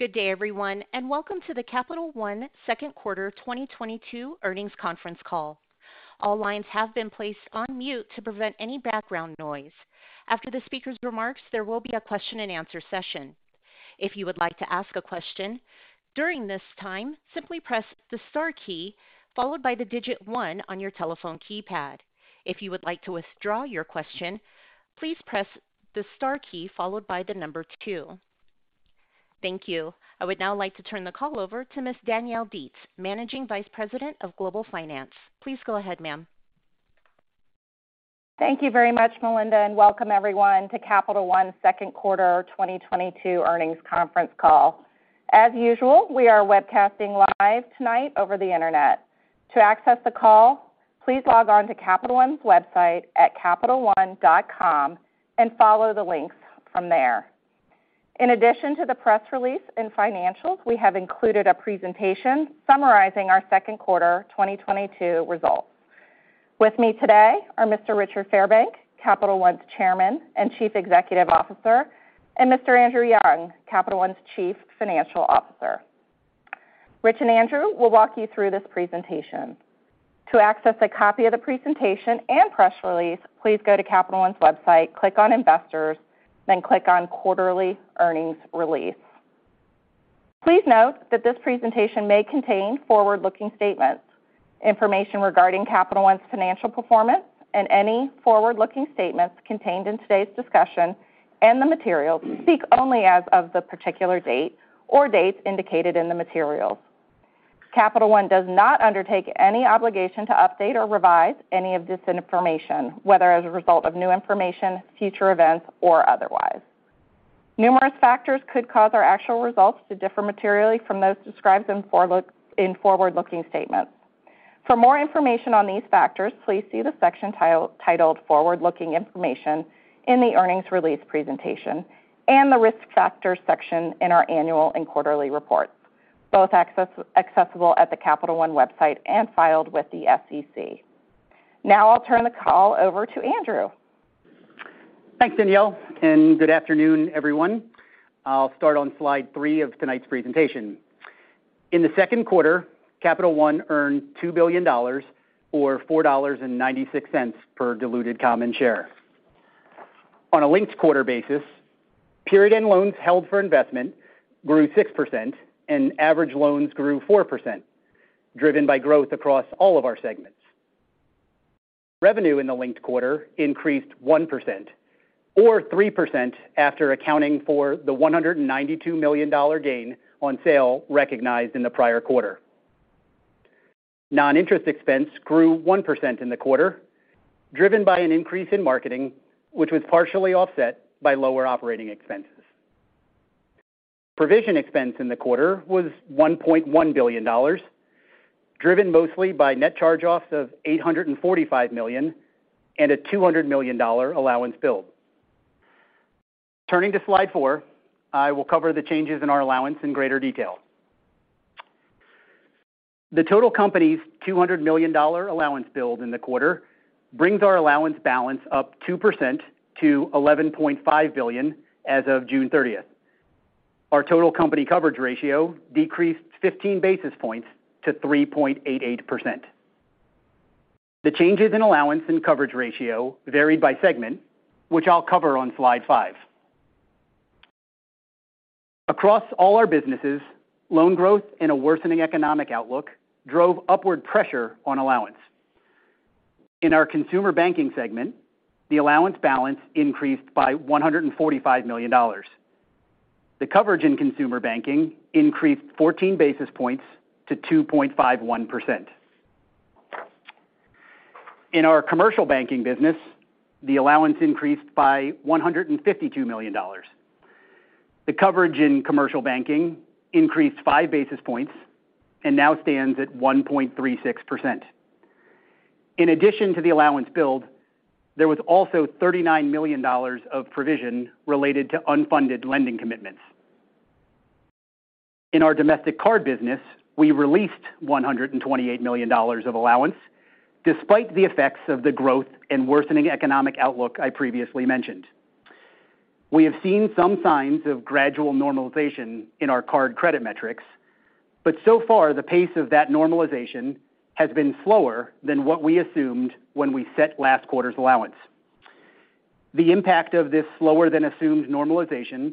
Good day, everyone, and welcome to the Capital One second quarter 2022 earnings conference call. All lines have been placed on mute to prevent any background noise. After the speaker's remarks, there will be a question and answer session. If you would like to ask a question during this time, simply press the star key followed by the digit one on your telephone keypad. If you would like to withdraw your question, please press the star key followed by the number two. Thank you. I would now like to turn the call over to Miss Danielle Dietz, Managing Vice President of Global Finance. Please go ahead, ma'am. Thank you very much, Melinda, and welcome everyone to Capital One second quarter 2022 earnings conference call. As usual, we are webcasting live tonight over the Internet. To access the call, please log on to Capital One's website at capitalone.com and follow the links from there. In addition to the press release and financials, we have included a presentation summarizing our second quarter 2022 results. With me today are Mr. Richard Fairbank, Capital One's Chairman and Chief Executive Officer, and Mr. Andrew Young, Capital One's Chief Financial Officer. Rich and Andrew will walk you through this presentation. To access a copy of the presentation and press release, please go to Capital One's website, click on Investors, then click on Quarterly Earnings Release. Please note that this presentation may contain forward-looking statements, information regarding Capital One's financial performance and any forward-looking statements contained in today's discussion and the materials speak only as of the particular date or dates indicated in the materials. Capital One does not undertake any obligation to update or revise any of this information, whether as a result of new information, future events or otherwise. Numerous factors could cause our actual results to differ materially from those described in forward-looking statements. For more information on these factors, please see the section titled Forward-Looking Information in the earnings release presentation and the Risk Factors section in our annual and quarterly reports, both accessible at the Capital One website and filed with the SEC. Now I'll turn the call over to Andrew. Thanks, Danielle, and good afternoon, everyone. I'll start on slide three of tonight's presentation. In the second quarter, Capital One earned $2 billion or $4.96 per diluted common share. On a linked quarter basis, period-end loans held for investment grew 6% and average loans grew 4%, driven by growth across all of our segments. Revenue in the linked quarter increased 1% or 3% after accounting for the $192 million gain on sale recognized in the prior quarter. Non-interest expense grew 1% in the quarter, driven by an increase in marketing, which was partially offset by lower operating expenses. Provision expense in the quarter was $1.1 billion, driven mostly by net charge-offs of $845 million and a $200 million allowance build. Turning to slide four, I will cover the changes in our allowance in greater detail. The total company's $200 million allowance build in the quarter brings our allowance balance up 2% to $11.5 billion as of June 30th. Our total company coverage ratio decreased 15 basis points to 3.88%. The changes in allowance and coverage ratio varied by segment, which I'll cover on slide five. Across all our businesses, loan growth and a worsening economic outlook drove upward pressure on allowance. In our Consumer Banking segment, the allowance balance increased by $145 million. The coverage in Consumer Banking increased 14 basis points to 2.51%. In our Commercial Banking business, the allowance increased by $152 million. The coverage in Commercial Banking increased 5 basis points and now stands at 1.36%. In addition to the allowance build, there was also $39 million of provision related to unfunded lending commitments. In our Domestic Card business, we released $128 million of allowance, despite the effects of the growth and worsening economic outlook I previously mentioned. We have seen some signs of gradual normalization in our card credit metrics, but so far the pace of that normalization has been slower than what we assumed when we set last quarter's allowance. The impact of this slower than assumed normalization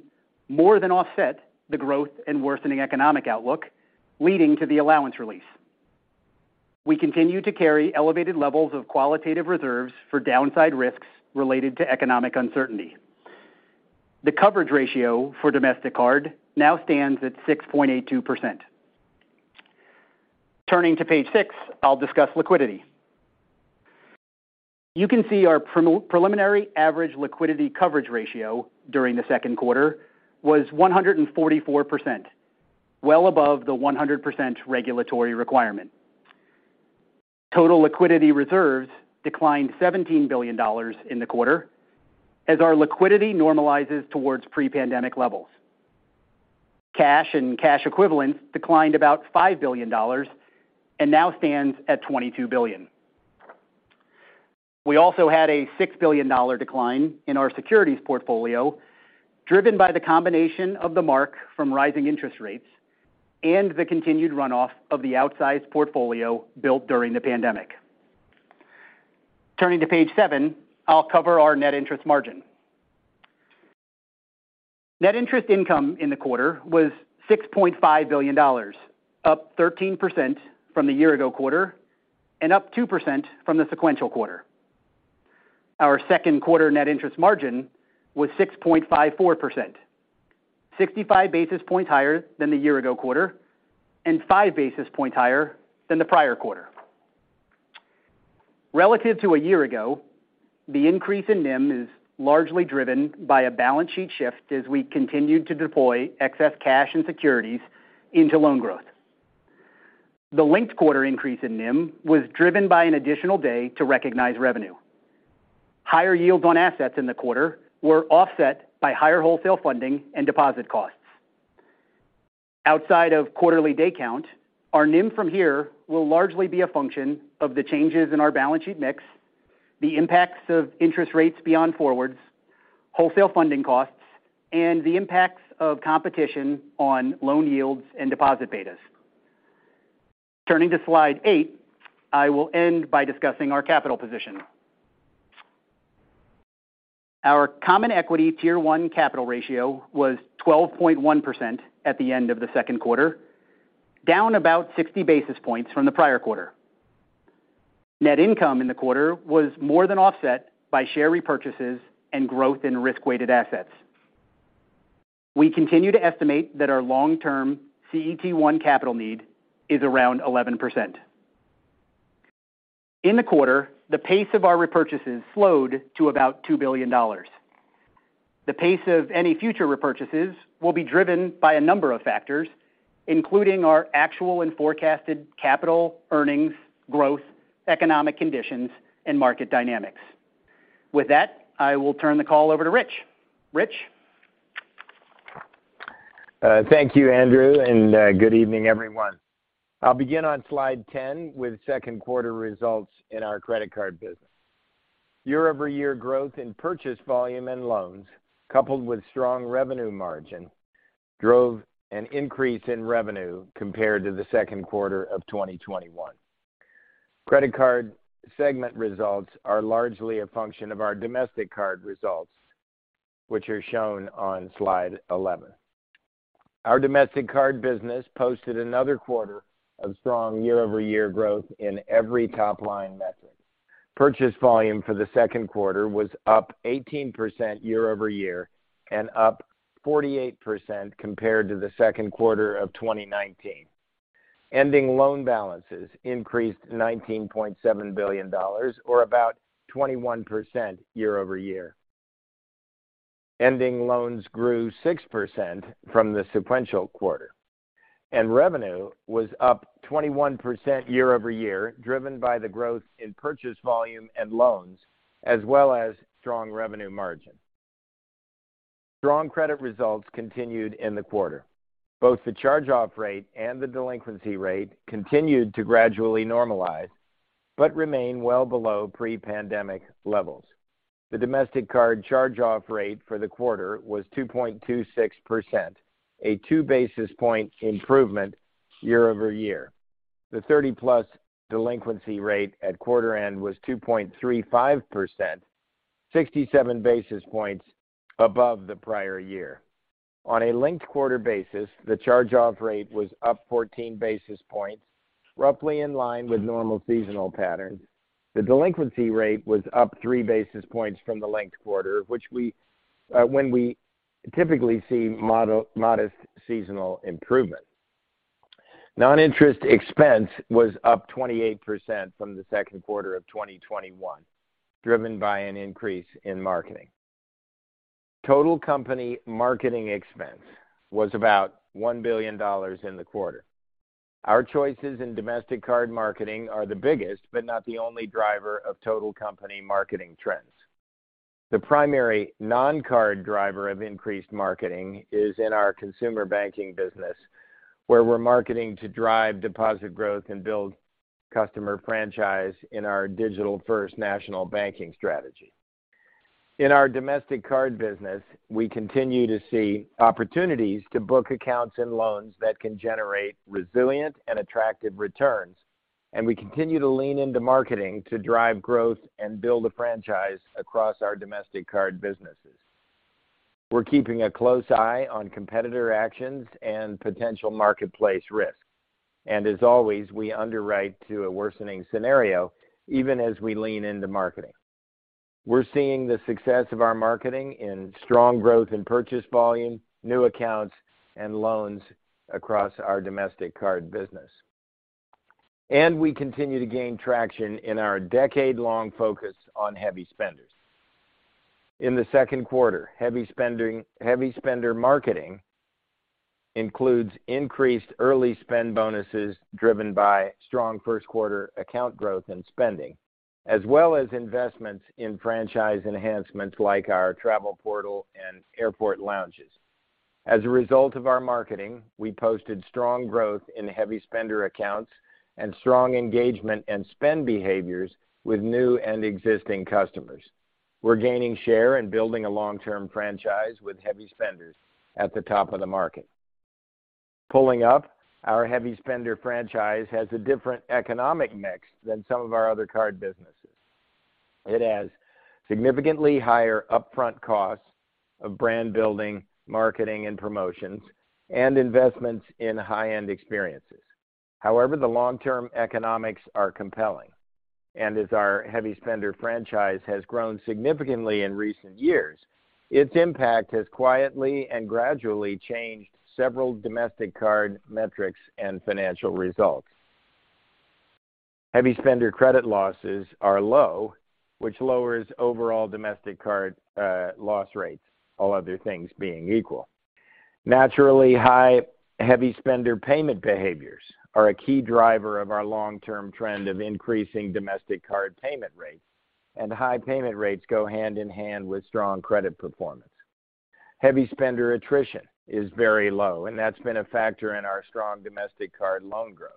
more than offset the growth and worsening economic outlook, leading to the allowance release. We continue to carry elevated levels of qualitative reserves for downside risks related to economic uncertainty. The coverage ratio for Domestic Card now stands at 6.82%. Turning to page six, I'll discuss liquidity. You can see our preliminary average liquidity coverage ratio during the second quarter was 144%, well above the 100% regulatory requirement. Total liquidity reserves declined $17 billion in the quarter as our liquidity normalizes towards pre-pandemic levels. Cash and cash equivalents declined about $5 billion and now stands at $22 billion. We also had a $6 billion decline in our securities portfolio, driven by the combination of the mark from rising interest rates and the continued runoff of the outsized portfolio built during the pandemic. Turning to page seven, I'll cover our net interest margin. Net interest income in the quarter was $6.5 billion, up 13% from the year ago quarter and up 2% from the sequential quarter. Our second quarter net interest margin was 6.54%, 65 basis points higher than the year ago quarter and 5 basis points higher than the prior quarter. Relative to a year ago, the increase in NIM is largely driven by a balance sheet shift as we continued to deploy excess cash and securities into loan growth. The linked quarter increase in NIM was driven by an additional day to recognize revenue. Higher yields on assets in the quarter were offset by higher wholesale funding and deposit costs. Outside of quarterly day count, our NIM from here will largely be a function of the changes in our balance sheet mix, the impacts of interest rates beyond forwards, wholesale funding costs, and the impacts of competition on loan yields and deposit betas. Turning to slide eight, I will end by discussing our capital position. Our Common Equity Tier 1 capital ratio was 12.1% at the end of the second quarter, down about 60 basis points from the prior quarter. Net income in the quarter was more than offset by share repurchases and growth in risk-weighted assets. We continue to estimate that our long-term CET1 capital need is around 11%. In the quarter, the pace of our repurchases slowed to about $2 billion. The pace of any future repurchases will be driven by a number of factors, including our actual and forecasted capital, earnings, growth, economic conditions, and market dynamics. With that, I will turn the call over to Rich. Rich? Thank you, Andrew, and good evening, everyone. I'll begin on slide 10 with second quarter results in our credit card business. Year-over-year growth in purchase volume and loans, coupled with strong revenue margin, drove an increase in revenue compared to the second quarter of 2021. Credit card segment results are largely a function of our Domestic Card results, which are shown on slide 11. Our Domestic Card business posted another quarter of strong year-over-year growth in every top-line metric. Purchase volume for the second quarter was up 18% year-over-year and up 48% compared to the second quarter of 2019. Ending loan balances increased $19.7 billion or about 21% year-over-year. Ending loans grew 6% from the sequential quarter, and revenue was up 21% year-over-year, driven by the growth in purchase volume and loans, as well as strong revenue margin. Strong credit results continued in the quarter. Both the charge-off rate and the delinquency rate continued to gradually normalize, but remain well below pre-pandemic levels. The Domestic Card charge-off rate for the quarter was 2.26%, a 2 basis point improvement year-over-year. The 30+ delinquency rate at quarter end was 2.35%, 67 basis points above the prior year. On a linked quarter basis, the charge-off rate was up 14 basis points, roughly in line with normal seasonal patterns. The delinquency rate was up 3 basis points from the linked quarter, which, when we typically see modest seasonal improvement. Noninterest expense was up 28% from the second quarter of 2021, driven by an increase in marketing. Total company marketing expense was about $1 billion in the quarter. Our choices in Domestic Card marketing are the biggest, but not the only driver of total company marketing trends. The primary non-card driver of increased marketing is in our Consumer Banking business, where we're marketing to drive deposit growth and build customer franchise in our digital-first national banking strategy. In our Domestic Card business, we continue to see opportunities to book accounts and loans that can generate resilient and attractive returns, and we continue to lean into marketing to drive growth and build a franchise across our Domestic Card businesses. We're keeping a close eye on competitor actions and potential marketplace risks. As always, we underwrite to a worsening scenario even as we lean into marketing. We're seeing the success of our marketing in strong growth in purchase volume, new accounts, and loans across our Domestic Card business. We continue to gain traction in our decade-long focus on heavy spenders. In the second quarter, heavy spender marketing includes increased early spend bonuses driven by strong first quarter account growth and spending, as well as investments in franchise enhancements like our travel portal and airport lounges. As a result of our marketing, we posted strong growth in heavy spender accounts and strong engagement and spend behaviors with new and existing customers. We're gaining share and building a long-term franchise with heavy spenders at the top of the market. Pulling up, our heavy spender franchise has a different economic mix than some of our other card businesses. It has significantly higher upfront costs of brand building, marketing and promotions, and investments in high-end experiences. However, the long-term economics are compelling. As our heavy spender franchise has grown significantly in recent years, its impact has quietly and gradually changed several Domestic Card metrics and financial results. Heavy spender credit losses are low, which lowers overall Domestic Card loss rates, all other things being equal. Naturally, high heavy spender payment behaviors are a key driver of our long-term trend of increasing Domestic Card payment rates, and high payment rates go hand in hand with strong credit performance. Heavy spender attrition is very low, and that's been a factor in our strong Domestic Card loan growth.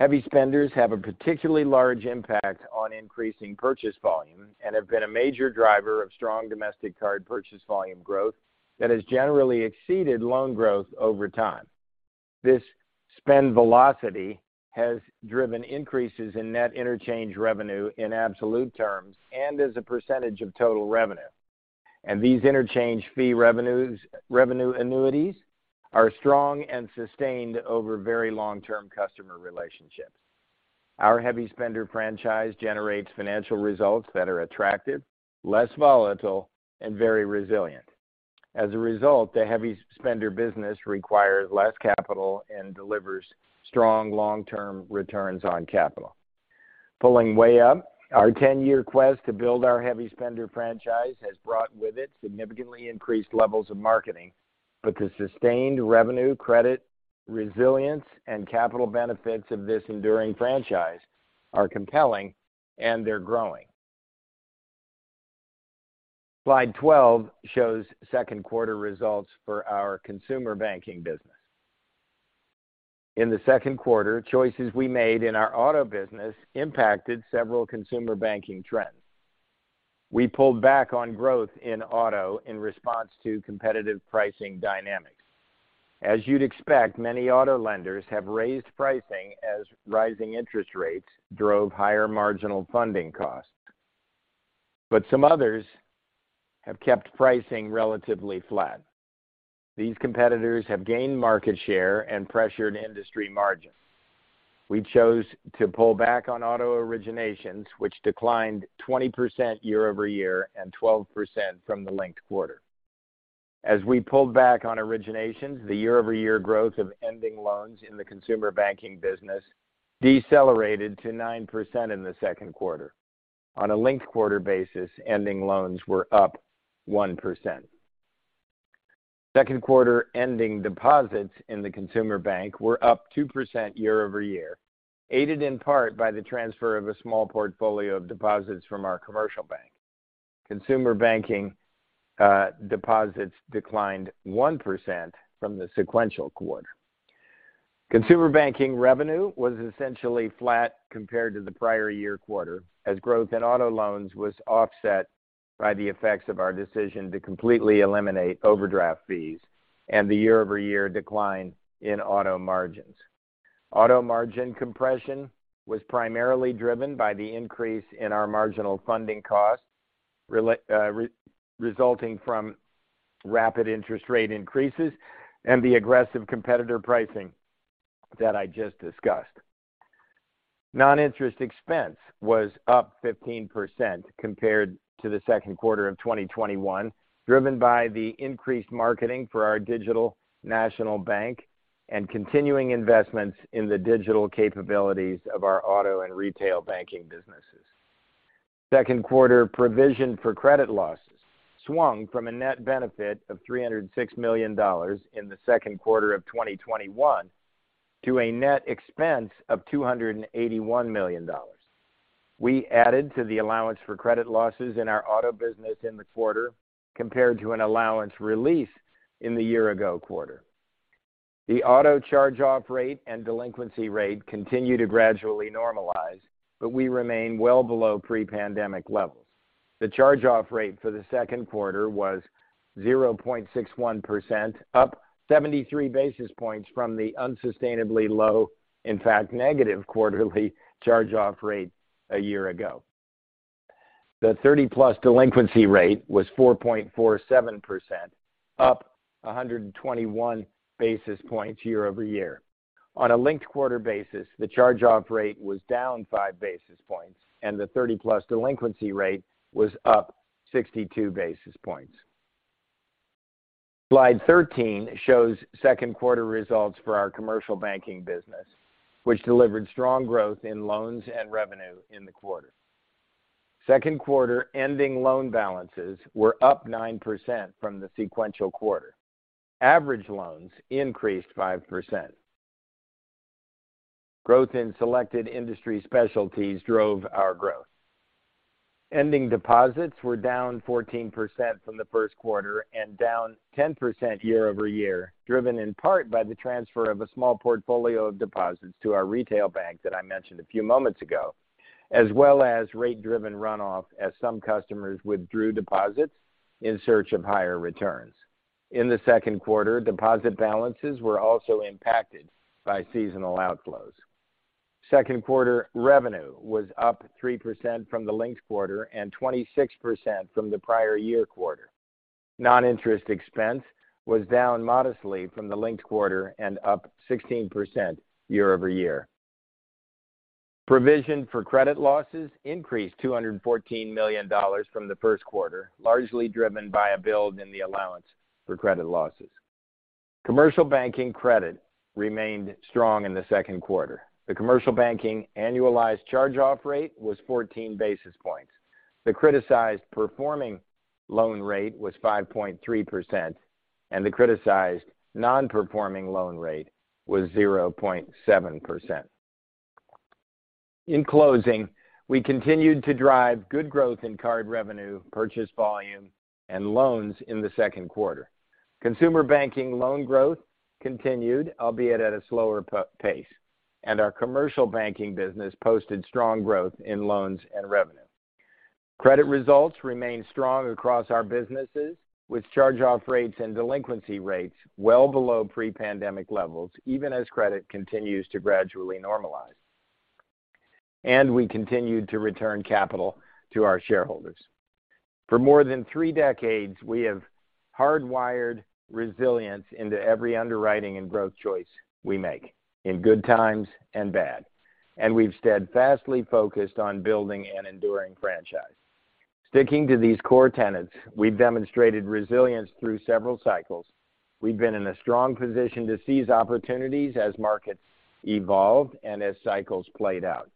Heavy spenders have a particularly large impact on increasing purchase volume and have been a major driver of strong Domestic Card purchase volume growth that has generally exceeded loan growth over time. This spend velocity has driven increases in net interchange revenue in absolute terms and as a percentage of total revenue. These interchange fee revenues, revenue annuities are strong and sustained over very long-term customer relationships. Our heavy spender franchise generates financial results that are attractive, less volatile, and very resilient. As a result, the heavy spender business requires less capital and delivers strong long-term returns on capital. Pulling way up, our 10-year quest to build our heavy spender franchise has brought with it significantly increased levels of marketing. The sustained revenue, credit, resilience, and capital benefits of this enduring franchise are compelling, and they're growing. Slide 12 shows second quarter results for our Consumer Banking business. In the second quarter, choices we made in our auto business impacted several Consumer Banking trends. We pulled back on growth in auto in response to competitive pricing dynamics. As you'd expect, many auto lenders have raised pricing as rising interest rates drove higher marginal funding costs. Some others have kept pricing relatively flat. These competitors have gained market share and pressured industry margins. We chose to pull back on auto originations, which declined 20% year-over-year and 12% from the linked quarter. As we pulled back on originations, the year-over-year growth of ending loans in the Consumer Banking business decelerated to 9% in the second quarter. On a linked quarter basis, ending loans were up 1%. Second quarter ending deposits in the Consumer Banking were up 2% year-over-year, aided in part by the transfer of a small portfolio of deposits from our Commercial Banking. Consumer Banking deposits declined 1% from the sequential quarter. Consumer Banking revenue was essentially flat compared to the prior year quarter, as growth in auto loans was offset by the effects of our decision to completely eliminate overdraft fees and the year-over-year decline in auto margins. Auto margin compression was primarily driven by the increase in our marginal funding costs resulting from rapid interest rate increases and the aggressive competitor pricing that I just discussed. Noninterest expense was up 15% compared to the second quarter of 2021, driven by the increased marketing for our digital national bank and continuing investments in the digital capabilities of our auto and retail banking businesses. Second quarter provision for credit losses swung from a net benefit of $306 million in the second quarter of 2021 to a net expense of $281 million. We added to the allowance for credit losses in our auto business in the quarter compared to an allowance release in the year-ago quarter. The auto charge-off rate and delinquency rate continue to gradually normalize, but we remain well below pre-pandemic levels. The charge-off rate for the second quarter was 0.61%, up 73 basis points from the unsustainably low, in fact, negative quarterly charge-off rate a year ago. The thirty-plus delinquency rate was 4.47%, up 121 basis points year-over-year. On a linked-quarter basis, the charge-off rate was down 5 basis points, and the thirty-plus delinquency rate was up 62 basis points. Slide 13 shows second quarter results for our Commercial Banking business, which delivered strong growth in loans and revenue in the quarter. Second quarter ending loan balances were up 9% from the sequential quarter. Average loans increased 5%. Growth in selected industry specialties drove our growth. Ending deposits were down 14% from the first quarter and down 10% year-over-year, driven in part by the transfer of a small portfolio of deposits to our retail bank that I mentioned a few moments ago, as well as rate-driven runoff as some customers withdrew deposits in search of higher returns. In the second quarter, deposit balances were also impacted by seasonal outflows. Second quarter revenue was up 3% from the linked quarter and 26% from the prior year quarter. Non-interest expense was down modestly from the linked quarter and up 16% year-over-year. Provision for credit losses increased $214 million from the first quarter, largely driven by a build in the allowance for credit losses. Commercial Banking credit remained strong in the second quarter. The Commercial Banking annualized charge-off rate was 14 basis points. The criticized performing loan rate was 5.3%, and the criticized non-performing loan rate was 0.7%. In closing, we continued to drive good growth in card revenue, purchase volume, and loans in the second quarter. Consumer Banking loan growth continued, albeit at a slower pace, and our Commercial Banking business posted strong growth in loans and revenue. Credit results remained strong across our businesses with charge-off rates and delinquency rates well below pre-pandemic levels, even as credit continues to gradually normalize. We continued to return capital to our shareholders. For more than three decades, we have hardwired resilience into every underwriting and growth choice we make in good times and bad, and we've steadfastly focused on building an enduring franchise. Sticking to these core tenets, we've demonstrated resilience through several cycles. We've been in a strong position to seize opportunities as markets evolved and as cycles played out.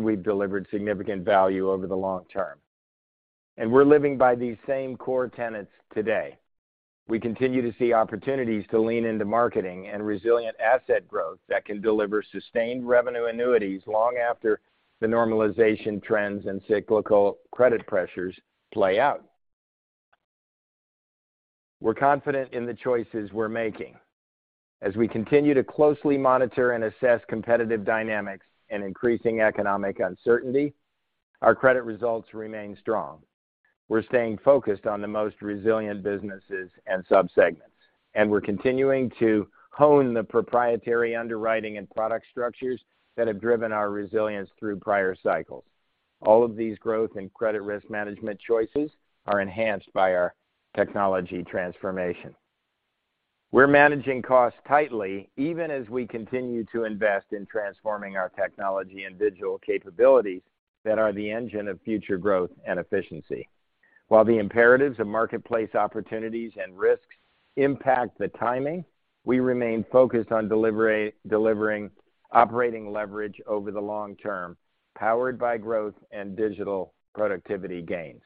We've delivered significant value over the long term. We're living by these same core tenets today. We continue to see opportunities to lean into marketing and resilient asset growth that can deliver sustained revenue annuities long after the normalization trends and cyclical credit pressures play out. We're confident in the choices we're making. As we continue to closely monitor and assess competitive dynamics and increasing economic uncertainty, our credit results remain strong. We're staying focused on the most resilient businesses and subsegments, and we're continuing to hone the proprietary underwriting and product structures that have driven our resilience through prior cycles. All of these growth and credit risk management choices are enhanced by our technology transformation. We're managing costs tightly even as we continue to invest in transforming our technology and digital capabilities that are the engine of future growth and efficiency. While the imperatives of marketplace opportunities and risks impact the timing, we remain focused on delivering operating leverage over the long term, powered by growth and digital productivity gains.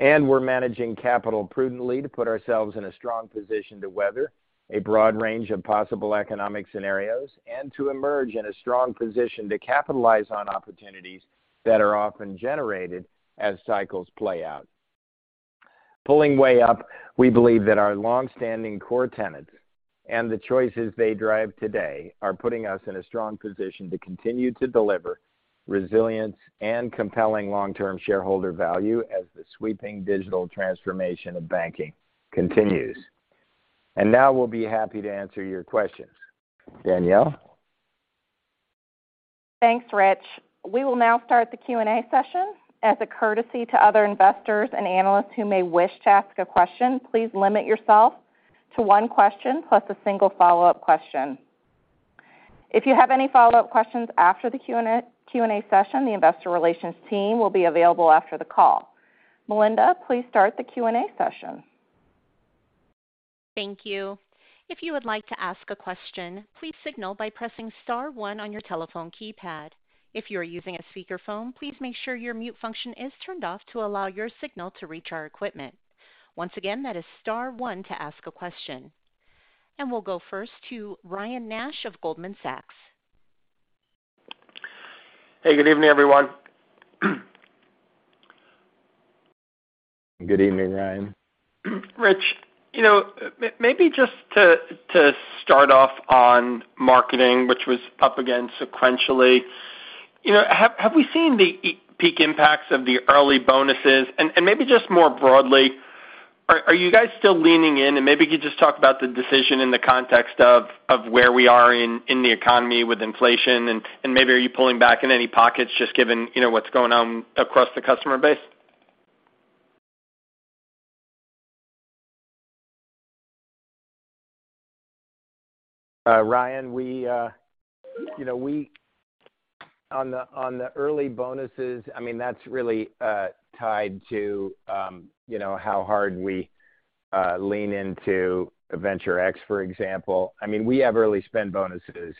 We're managing capital prudently to put ourselves in a strong position to weather a broad range of possible economic scenarios and to emerge in a strong position to capitalize on opportunities that are often generated as cycles play out. Pulling way up, we believe that our long-standing core tenets and the choices they drive today are putting us in a strong position to continue to deliver resilience and compelling long-term shareholder value as the sweeping digital transformation of banking continues. Now we'll be happy to answer your questions. Danielle? Thanks, Rich. We will now start the Q&A session. As a courtesy to other investors and analysts who may wish to ask a question, please limit yourself to one question plus a single follow-up question. If you have any follow-up questions after the Q&A session, the investor relations team will be available after the call. Melinda, please start the Q&A session. Thank you. If you would like to ask a question, please signal by pressing star one on your telephone keypad. If you are using a speakerphone, please make sure your mute function is turned off to allow your signal to reach our equipment. Once again, that is star one to ask a question. We'll go first to Ryan Nash of Goldman Sachs. Hey, good evening, everyone. Good evening, Ryan. Rich, you know, maybe just to start off on marketing, which was up again sequentially, you know, have we seen the peak impacts of the early bonuses? Maybe just more broadly, are you guys still leaning in? Maybe you could just talk about the decision in the context of where we are in the economy with inflation, and maybe are you pulling back in any pockets just given, you know, what's going on across the customer base? Ryan, you know, on the early bonuses, I mean, that's really tied to, you know, how hard we lean into Venture X, for example. I mean, we have early spend bonuses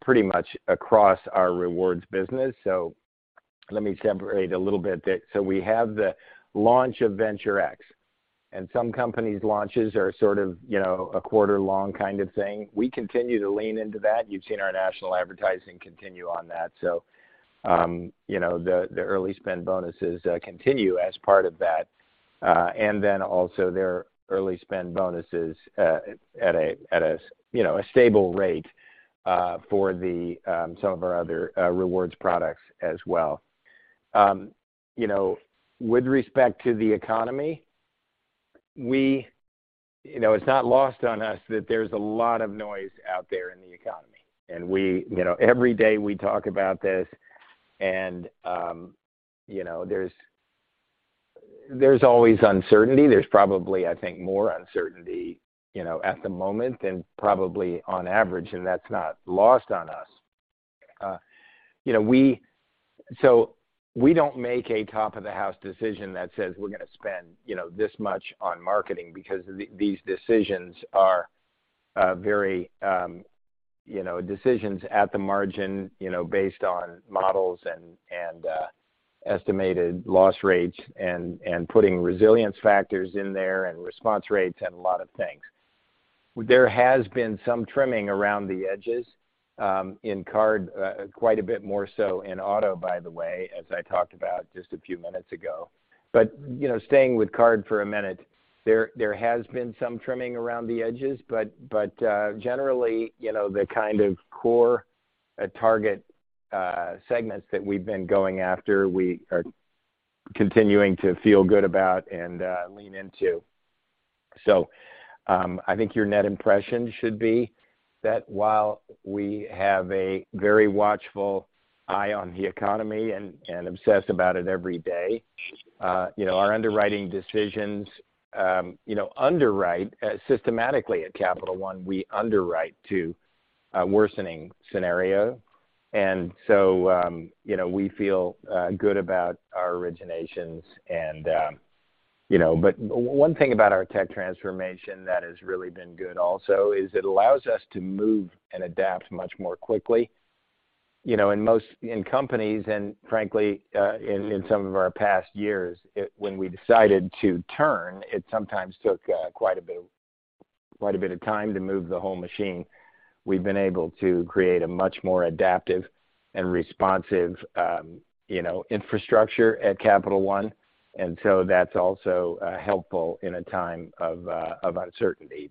pretty much across our rewards business. Let me separate a little bit. We have the launch of Venture X. Some companies' launches are sort of, you know, a quarter-long kind of thing. We continue to lean into that. You've seen our national advertising continue on that. You know, the early spend bonuses continue as part of that. Also their early spend bonus is at a, you know, a stable rate for some of our other rewards products as well. You know, with respect to the economy, it's not lost on us that there's a lot of noise out there in the economy. We, you know, every day we talk about this and, you know, there's always uncertainty. There's probably, I think, more uncertainty, you know, at the moment than probably on average, and that's not lost on us. You know, we don't make a top-of-the-house decision that says we're gonna spend, you know, this much on marketing because these decisions are very, you know, decisions at the margin, you know, based on models and estimated loss rates and putting resilience factors in there and response rates and a lot of things. There has been some trimming around the edges in card, quite a bit more so in auto, by the way, as I talked about just a few minutes ago. You know, staying with Card for a minute. There has been some trimming around the edges, but generally, you know, the kind of core target segments that we've been going after, we are continuing to feel good about and lean into. I think your net impression should be that while we have a very watchful eye on the economy and obsess about it every day, you know, our underwriting decisions, you know, underwrite systematically at Capital One. We underwrite to a worsening scenario. You know, we feel good about our originations and, you know. One thing about our tech transformation that has really been good also is it allows us to move and adapt much more quickly. You know, in most companies and frankly, in some of our past years, when we decided to turn, it sometimes took quite a bit of time to move the whole machine. We've been able to create a much more adaptive and responsive, you know, infrastructure at Capital One. That's also helpful in a time of uncertainty.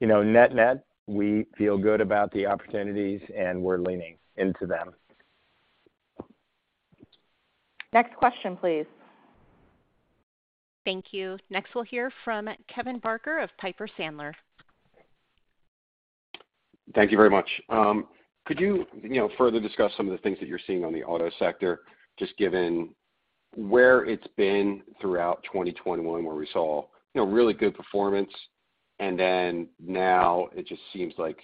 You know, net-net, we feel good about the opportunities, and we're leaning into them. Next question, please. Thank you. Next, we'll hear from Kevin Barker of Piper Sandler. Thank you very much. Could you know, further discuss some of the things that you're seeing on the auto sector, just given where it's been throughout 2021 where we saw, you know, really good performance, and then now it just seems like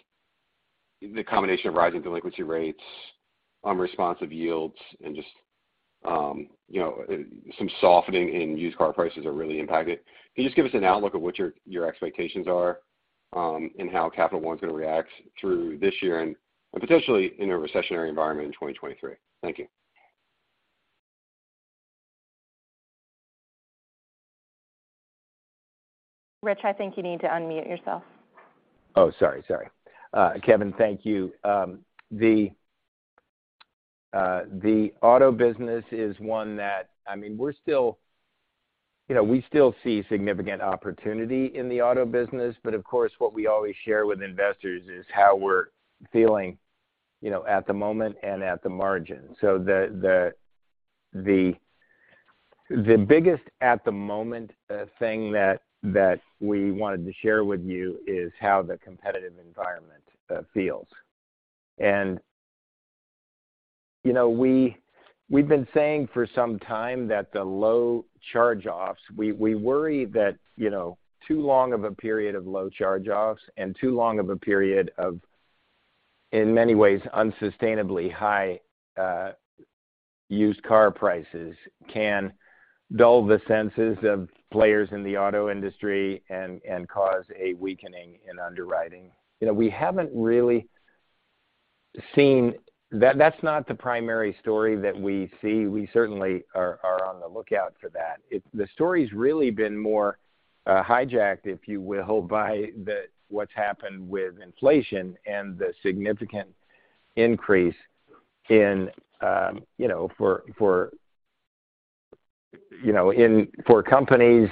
the combination of rising delinquency rates, unresponsive yields, and just, you know, some softening in used car prices have really impacted. Can you just give us an outlook of what your expectations are, and how Capital One is going to react through this year and potentially in a recessionary environment in 2023? Thank you. Rich, I think you need to unmute yourself. Sorry. Kevin, thank you. The auto business is one that, I mean, we're still you know, we still see significant opportunity in the auto business, but of course, what we always share with investors is how we're feeling, you know, at the moment and at the margin. The biggest at the moment thing that we wanted to share with you is how the competitive environment feels. You know, we've been saying for some time that the low charge-offs, we worry that, you know, too long of a period of low charge-offs and too long of a period of, in many ways, unsustainably high used car prices can dull the senses of players in the auto industry and cause a weakening in underwriting. You know, we haven't really seen. That's not the primary story that we see. We certainly are on the lookout for that. The story's really been more hijacked, if you will, by what's happened with inflation and the significant increase in cost of funds for companies.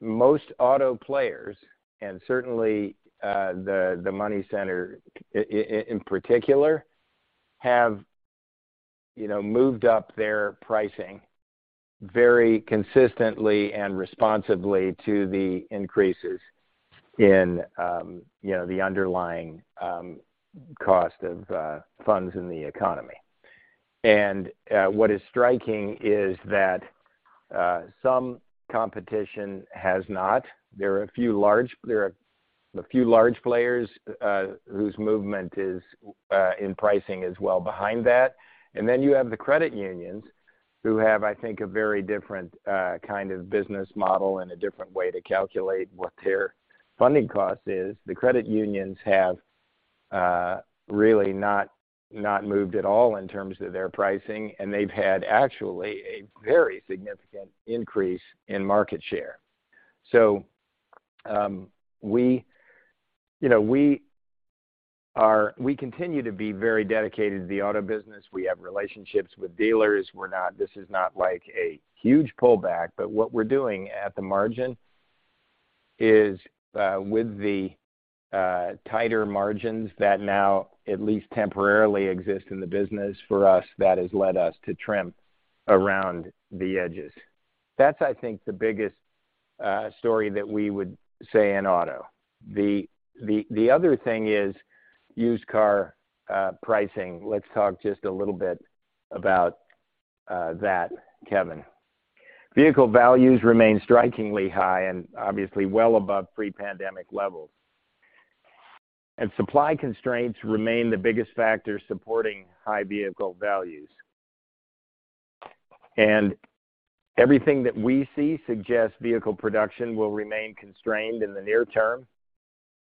Most auto players, and certainly the money center in particular, have you know moved up their pricing very consistently and responsibly to the increases in you know the underlying cost of funds in the economy. What is striking is that some competition has not. There are a few large players whose movement in pricing is well behind that. Then you have the credit unions who have, I think, a very different kind of business model and a different way to calculate what their funding cost is. The credit unions have really not moved at all in terms of their pricing, and they've had actually a very significant increase in market share. We, you know, continue to be very dedicated to the auto business. We have relationships with dealers. This is not like a huge pullback, but what we're doing at the margin is, with the tighter margins that now at least temporarily exist in the business for us, that has led us to trim around the edges. That's, I think, the biggest story that we would say in auto. The other thing is used car pricing. Let's talk just a little bit about that, Kevin. Vehicle values remain strikingly high and obviously well above pre-pandemic levels. Supply constraints remain the biggest factor supporting high vehicle values. Everything that we see suggests vehicle production will remain constrained in the near term.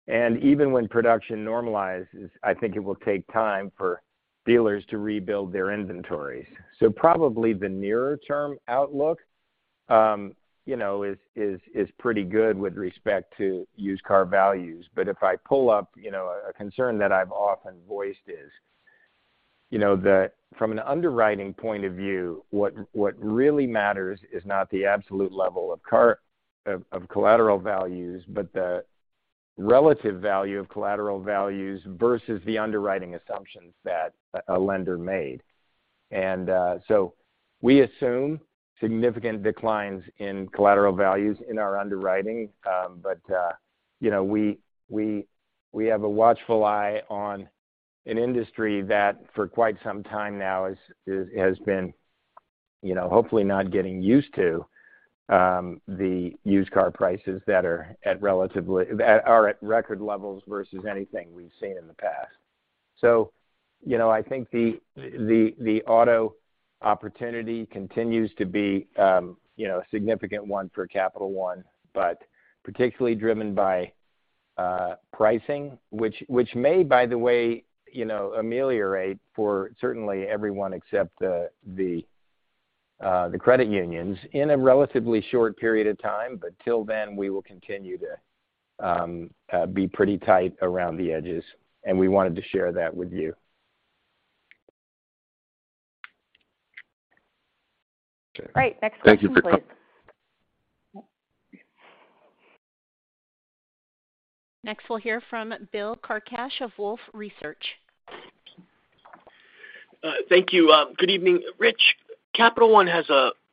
Even when production normalizes, I think it will take time for dealers to rebuild their inventories. Probably the nearer term outlook, you know, is pretty good with respect to used car values. If I pull up, you know, a concern that I've often voiced is, you know, that from an underwriting point of view, what really matters is not the absolute level of collateral values, but the relative value of collateral values versus the underwriting assumptions that a lender made. We assume significant declines in collateral values in our underwriting. You know, we have a watchful eye on an industry that for quite some time now has been, you know, hopefully not getting used to the used car prices that are at record levels versus anything we've seen in the past. You know, I think the auto opportunity continues to be, you know, a significant one for Capital One, but particularly driven by pricing, which may, by the way, you know, ameliorate for certainly everyone except the credit unions in a relatively short period of time. Till then, we will continue to be pretty tight around the edges, and we wanted to share that with you. All right. Next question please. Thank you for. Next, we'll hear from Bill Carcache of Wolfe Research. Thank you. Good evening. Rich, Capital One has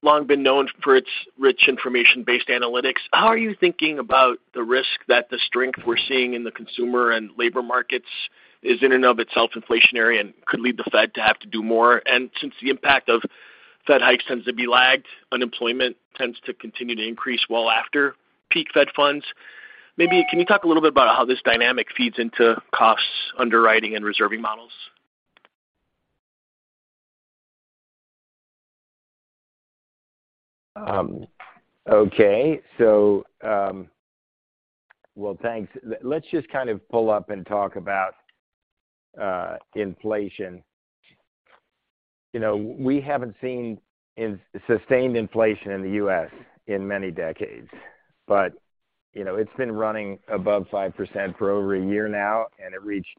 long been known for its rich information-based analytics. How are you thinking about the risk that the strength we're seeing in the consumer and labor markets is in and of itself inflationary and could lead the Fed to have to do more? Since the impact of Fed hikes tends to be lagged, unemployment tends to continue to increase well after peak Fed funds. Maybe can you talk a little bit about how this dynamic feeds into costs underwriting and reserving models? Okay. Well, thanks. Let's just kind of pull up and talk about inflation. You know, we haven't seen sustained inflation in the U.S. in many decades. You know, it's been running above 5% for over a year now, and it reached,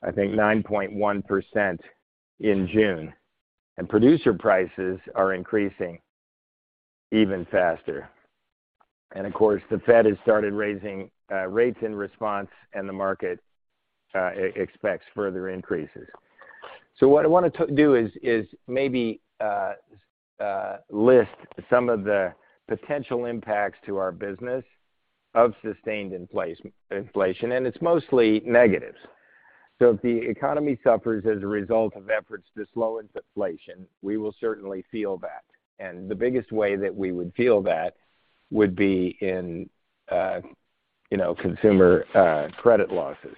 I think, 9.1% in June. Producer prices are increasing even faster. Of course, the Fed has started raising rates in response and the market expects further increases. What I wanna do is maybe list some of the potential impacts to our business of sustained inflation, and it's mostly negatives. If the economy suffers as a result of efforts to slow inflation, we will certainly feel that. The biggest way that we would feel that would be in, you know, consumer credit losses.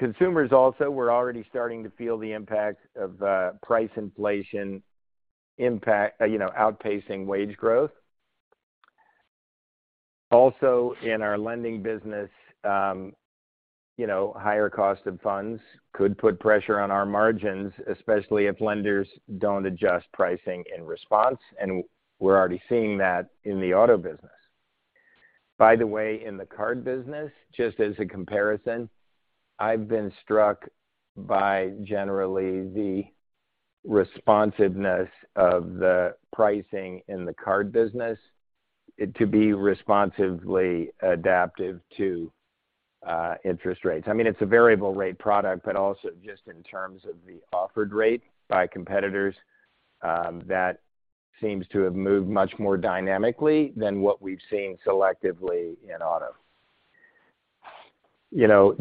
Consumers also were already starting to feel the impact of price inflation impact, you know, outpacing wage growth. Also in our lending business, you know, higher cost of funds could put pressure on our margins, especially if lenders don't adjust pricing in response. We're already seeing that in the auto business. By the way, in the card business, just as a comparison, I've been struck by generally the responsiveness of the pricing in the card business to be responsively adaptive to interest rates. I mean, it's a variable rate product, but also just in terms of the offered rate by competitors, that seems to have moved much more dynamically than what we've seen selectively in auto. You know,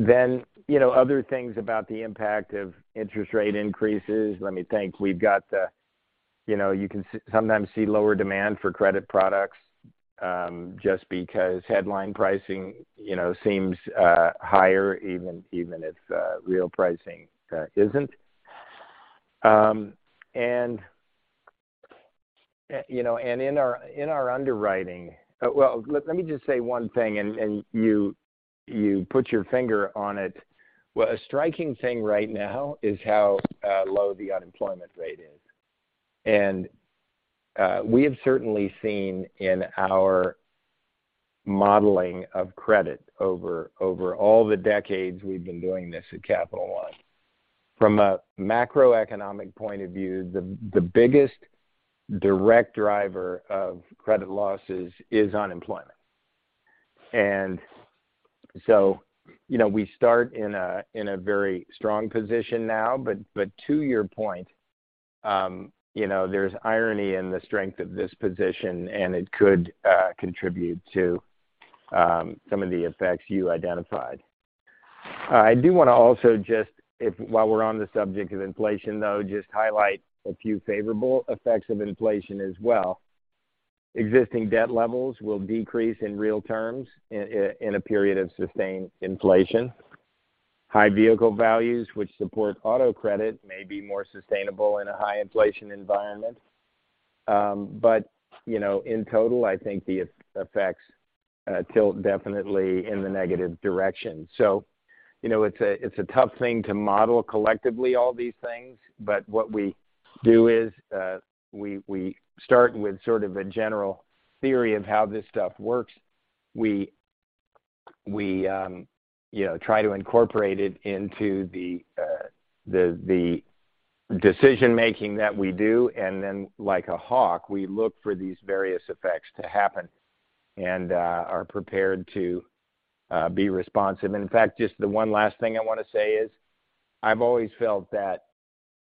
other things about the impact of interest rate increases. You know, you can sometimes see lower demand for credit products, just because headline pricing, you know, seems higher even if real pricing isn't. In our underwriting. Well, let me just say one thing, and you put your finger on it. Well, a striking thing right now is how low the unemployment rate is. We have certainly seen in our modeling of credit over all the decades we've been doing this at Capital One. From a macroeconomic point of view, the biggest direct driver of credit losses is unemployment. You know, we start in a very strong position now, but to your point, you know, there's irony in the strength of this position, and it could contribute to some of the effects you identified. I do want to also just while we're on the subject of inflation, though, highlight a few favorable effects of inflation as well. Existing debt levels will decrease in real terms in a period of sustained inflation. High vehicle values, which support auto credit, may be more sustainable in a high inflation environment. But, you know, in total, I think the effects tilt definitely in the negative direction. You know, it's a tough thing to model collectively all these things, but what we do is, we start with sort of a general theory of how this stuff works. We you know try to incorporate it into the decision-making that we do, and then like a hawk, we look for these various effects to happen and are prepared to be responsive. In fact, just the one last thing I wanna say is, I've always felt that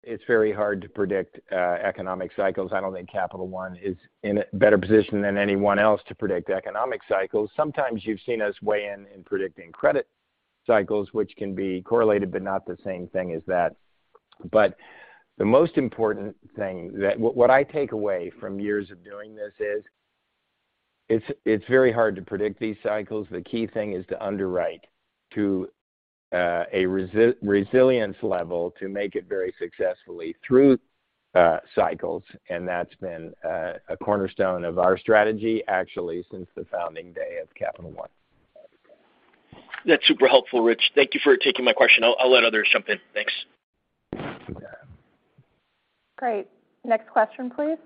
it's very hard to predict economic cycles. I don't think Capital One is in a better position than anyone else to predict economic cycles. Sometimes you've seen us weigh in on predicting credit cycles, which can be correlated, but not the same thing as that. The most important thing that I take away from years of doing this is, it's very hard to predict these cycles. The key thing is to underwrite to a resilience level to make it very successfully through cycles, and that's been a cornerstone of our strategy actually since the founding day of Capital One. That's super helpful, Rich. Thank you for taking my question. I'll let others jump in. Thanks. Yeah. Great. Next question, please.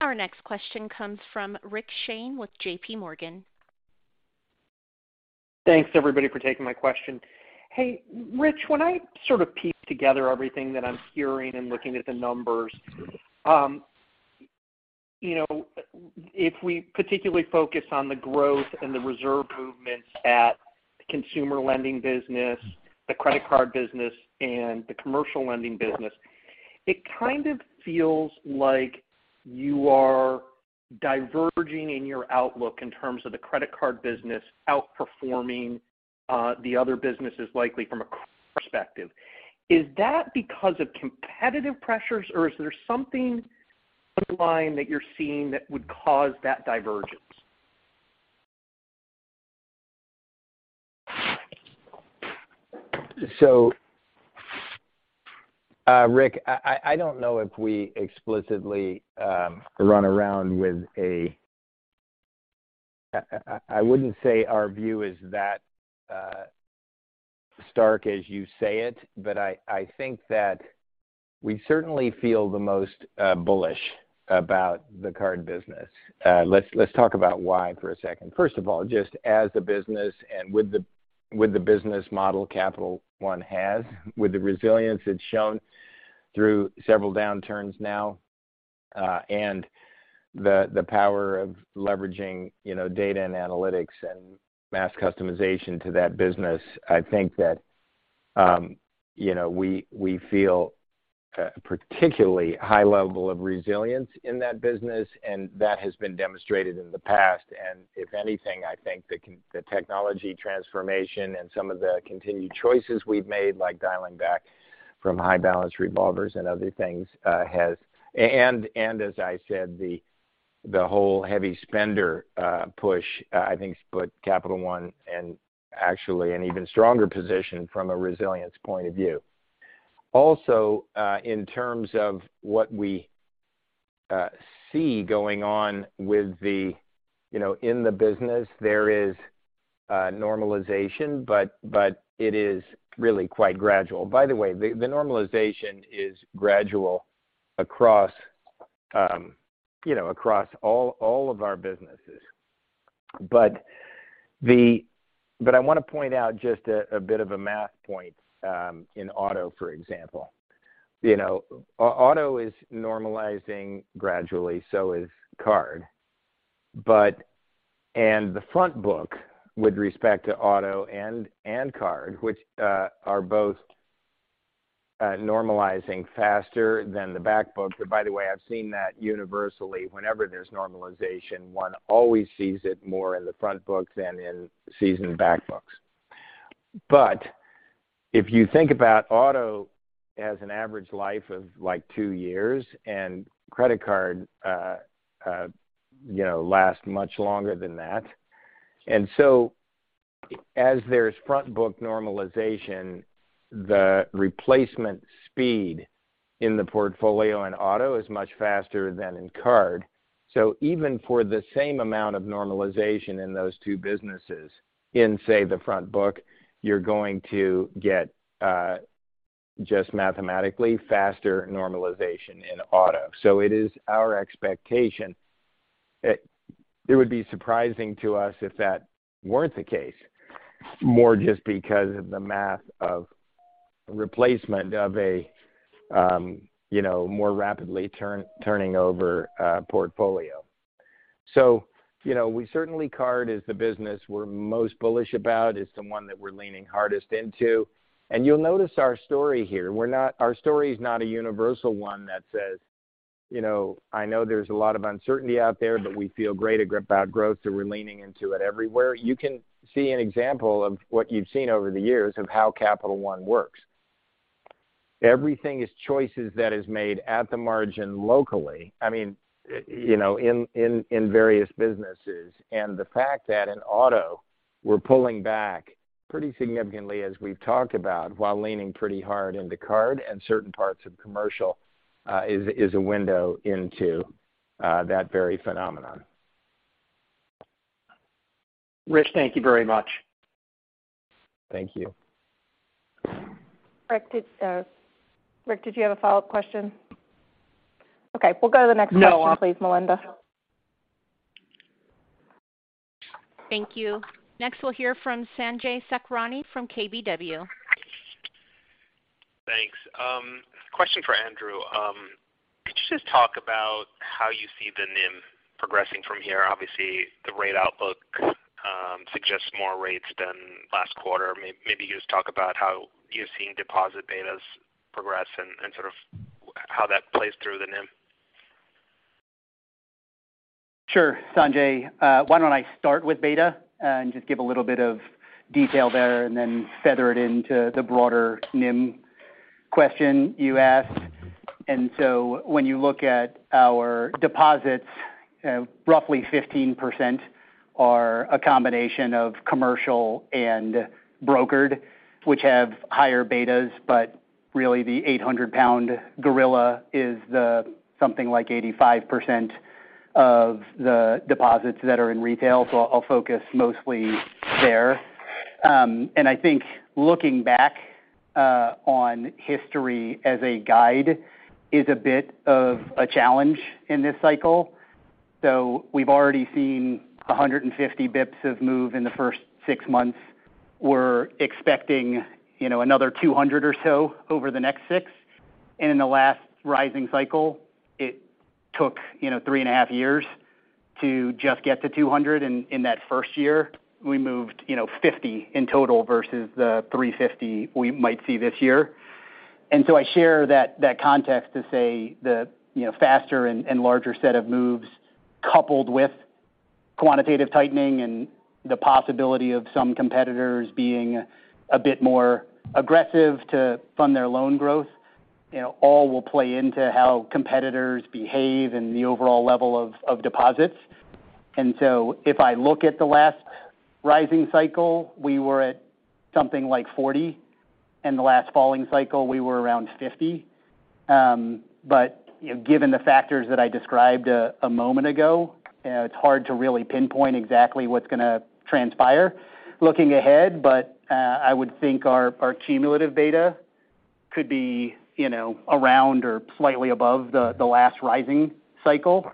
Our next question comes from Rick Shane with JPMorgan. Thanks, everybody, for taking my question. Hey, Rich, when I sort of piece together everything that I'm hearing and looking at the numbers, you know, if we particularly focus on the growth and the reserve movements at consumer lending business, the credit card business, and the commercial lending business, it kind of feels like you are diverging in your outlook in terms of the credit card business outperforming, the other businesses likely from a perspective. Is that because of competitive pressures, or is there something underlying that you're seeing that would cause that divergence? Rick, I don't know if we explicitly, I wouldn't say our view is that stark as you say it, but I think that we certainly feel the most bullish about the card business. Let's talk about why for a second. First of all, just as a business and with the business model Capital One has, with the resilience it's shown through several downturns now, and the power of leveraging, you know, data and analytics and mass customization to that business, I think that, you know, we feel a particularly high level of resilience in that business, and that has been demonstrated in the past. If anything, I think the technology transformation and some of the continued choices we've made, like dialing back from high balance revolvers and other things, has. As I said, the whole heavy spender push, I think put Capital One in actually an even stronger position from a resilience point of view. Also, in terms of what we see going on with, you know, in the business, there is a normalization, but it is really quite gradual. By the way, the normalization is gradual across, you know, across all of our businesses. I wanna point out just a bit of a math point, in auto, for example. You know, auto is normalizing gradually, so is card. The front book with respect to auto and card, which are both normalizing faster than the back book. By the way, I've seen that universally. Whenever there's normalization, one always sees it more in the front book than in seasoned back books. If you think about auto as an average life of like two years and credit card, you know, lasts much longer than that. As there's front book normalization, the replacement speed in the portfolio in auto is much faster than in card. Even for the same amount of normalization in those two businesses in, say, the front book, you're going to get just mathematically faster normalization in auto. It is our expectation. It would be surprising to us if that weren't the case more just because of the math of replacement of a, you know, more rapidly turning over portfolio. You know, we certainly Card is the business we're most bullish about. It's the one that we're leaning hardest into. You'll notice our story here. Our story is not a universal one that says, you know, I know there's a lot of uncertainty out there, but we feel great about growth, so we're leaning into it everywhere. You can see an example of what you've seen over the years of how Capital One works. Everything is choices that is made at the margin locally, I mean, you know, in various businesses. The fact that in auto we're pulling back pretty significantly as we've talked about while leaning pretty hard into card and certain parts of commercial is a window into that very phenomenon. Rich, thank you very much. Thank you. Rick, did you have a follow-up question? Okay, we'll go to the next question, please, Melinda. No. Thank you. Next, we'll hear from Sanjay Sakhrani from KBW. Thanks. Question for Andrew. Could you just talk about how you see the NIM progressing from here? Obviously, the rate outlook suggests more rates than last quarter. Maybe you just talk about how you're seeing deposit betas progress and sort of how that plays through the NIM. Sure. Sanjay, why don't I start with beta and just give a little bit of detail there and then funnel it into the broader NIM question you asked. When you look at our deposits, roughly 15% are a combination of commercial and brokered, which have higher betas. Really the 800-pound gorilla is something like 85% of the deposits that are in retail. I'll focus mostly there. I think looking back on history as a guide is a bit of a challenge in this cycle. We've already seen 150 bps of move in the first six months. We're expecting, you know, another 200 or so over the next six. In the last rising cycle, it took, you know, 3.5 years to just get to 200. In that first year, we moved, you know, 50 in total versus the 350 we might see this year. I share that context to say, you know, the faster and larger set of moves coupled with Quantitative Tightening and the possibility of some competitors being a bit more aggressive to fund their loan growth, you know, all will play into how competitors behave and the overall level of deposits. If I look at the last rising cycle, we were at something like 40, and the last falling cycle we were around 50. You know, given the factors that I described a moment ago, it's hard to really pinpoint exactly what's going to transpire looking ahead. I would think our cumulative data could be, you know, around or slightly above the last rising cycle.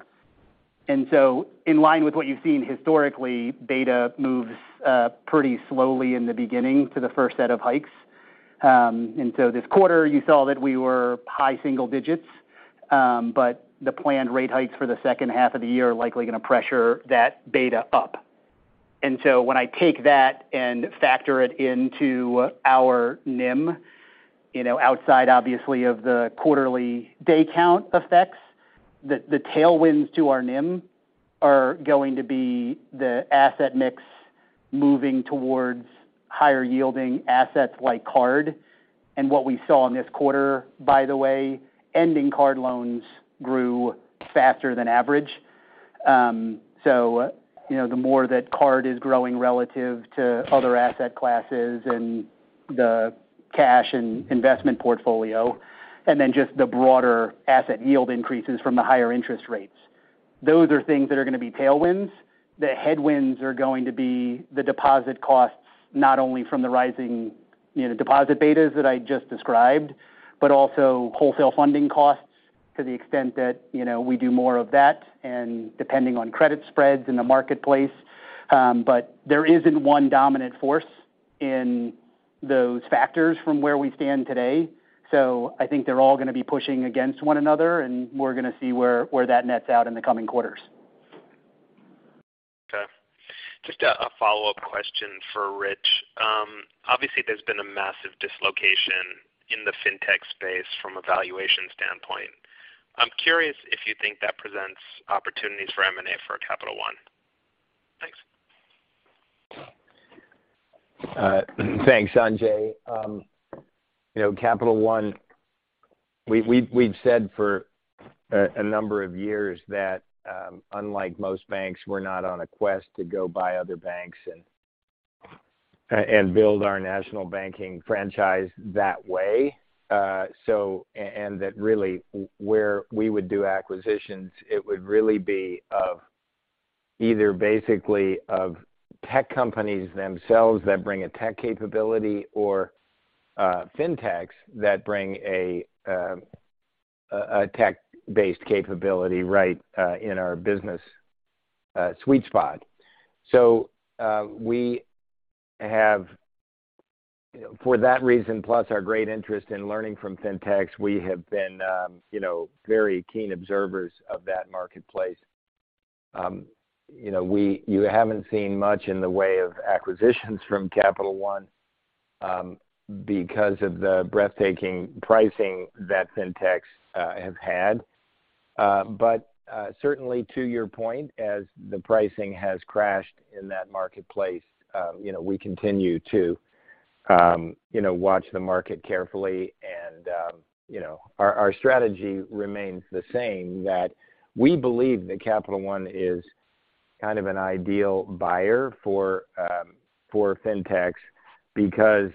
In line with what you've seen historically, beta moves pretty slowly in the beginning to the first set of hikes. This quarter you saw that we were high single digits. The planned rate hikes for the second half of the year are likely going to pressure that beta up. When I take that and factor it into our NIM, you know, outside obviously of the quarterly day count effects, the tailwinds to our NIM are going to be the asset mix moving towards higher yielding assets like card. What we saw in this quarter, by the way, ending card loans grew faster than average. You know, the more that card is growing relative to other asset classes and the cash and investment portfolio, and then just the broader asset yield increases from the higher interest rates. Those are things that are going to be tailwinds. The headwinds are going to be the deposit costs, not only from the rising, you know, deposit betas that I just described, but also wholesale funding costs to the extent that, you know, we do more of that and depending on credit spreads in the marketplace. There isn't one dominant force in those factors from where we stand today. I think they're all going to be pushing against one another, and we're going to see where that nets out in the coming quarters. Okay. Just a follow-up question for Rich. Obviously there's been a massive dislocation in the fintech space from a valuation standpoint. I'm curious if you think that presents opportunities for M&A for Capital One. Thanks, Sanjay. You know, Capital One, we've said for a number of years that, unlike most banks, we're not on a quest to go buy other banks and build our national banking franchise that way. That really, where we would do acquisitions, it would really be of either basically of tech companies themselves that bring a tech capability or fintechs that bring a tech-based capability right in our business sweet spot. We have for that reason, plus our great interest in learning from fintechs, we have been, you know, very keen observers of that marketplace. You know, you haven't seen much in the way of acquisitions from Capital One, because of the breathtaking pricing that fintechs have had. Certainly to your point, as the pricing has crashed in that marketplace, you know, we continue to watch the market carefully and, you know, our strategy remains the same that we believe that Capital One is kind of an ideal buyer for fintechs because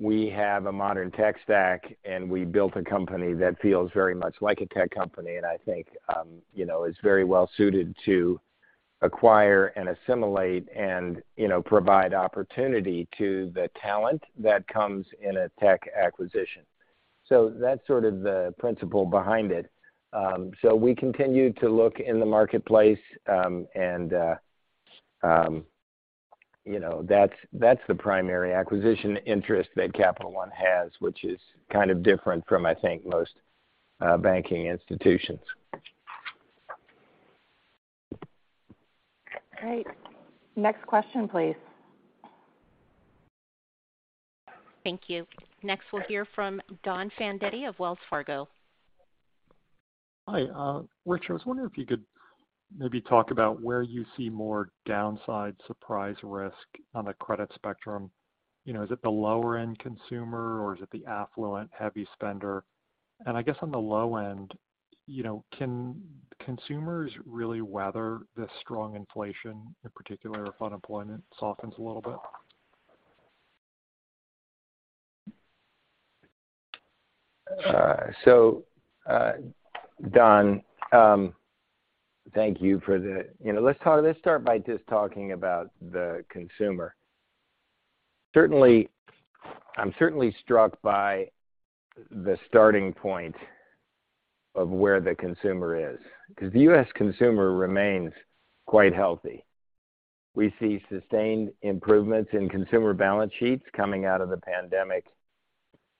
we have a modern tech stack, and we built a company that feels very much like a tech company. I think, you know, is very well suited to acquire and assimilate and, you know, provide opportunity to the talent that comes in a tech acquisition. That's sort of the principle behind it. We continue to look in the marketplace, and, you know, that's the primary acquisition interest that Capital One has, which is kind of different from, I think, most banking institutions. Great. Next question, please. Thank you. Next, we'll hear from Don Fandetti of Wells Fargo. Hi. Richard, I was wondering if you could maybe talk about where you see more downside surprise risk on the credit spectrum. You know, is it the lower-end consumer, or is it the affluent heavy spender? I guess on the low end, you know, can consumers really weather this strong inflation in particular if unemployment softens a little bit? Don, you know, let's start by just talking about the consumer. Certainly, I'm struck by the starting point of where the consumer is because the U.S. consumer remains quite healthy. We see sustained improvements in consumer balance sheets coming out of the pandemic.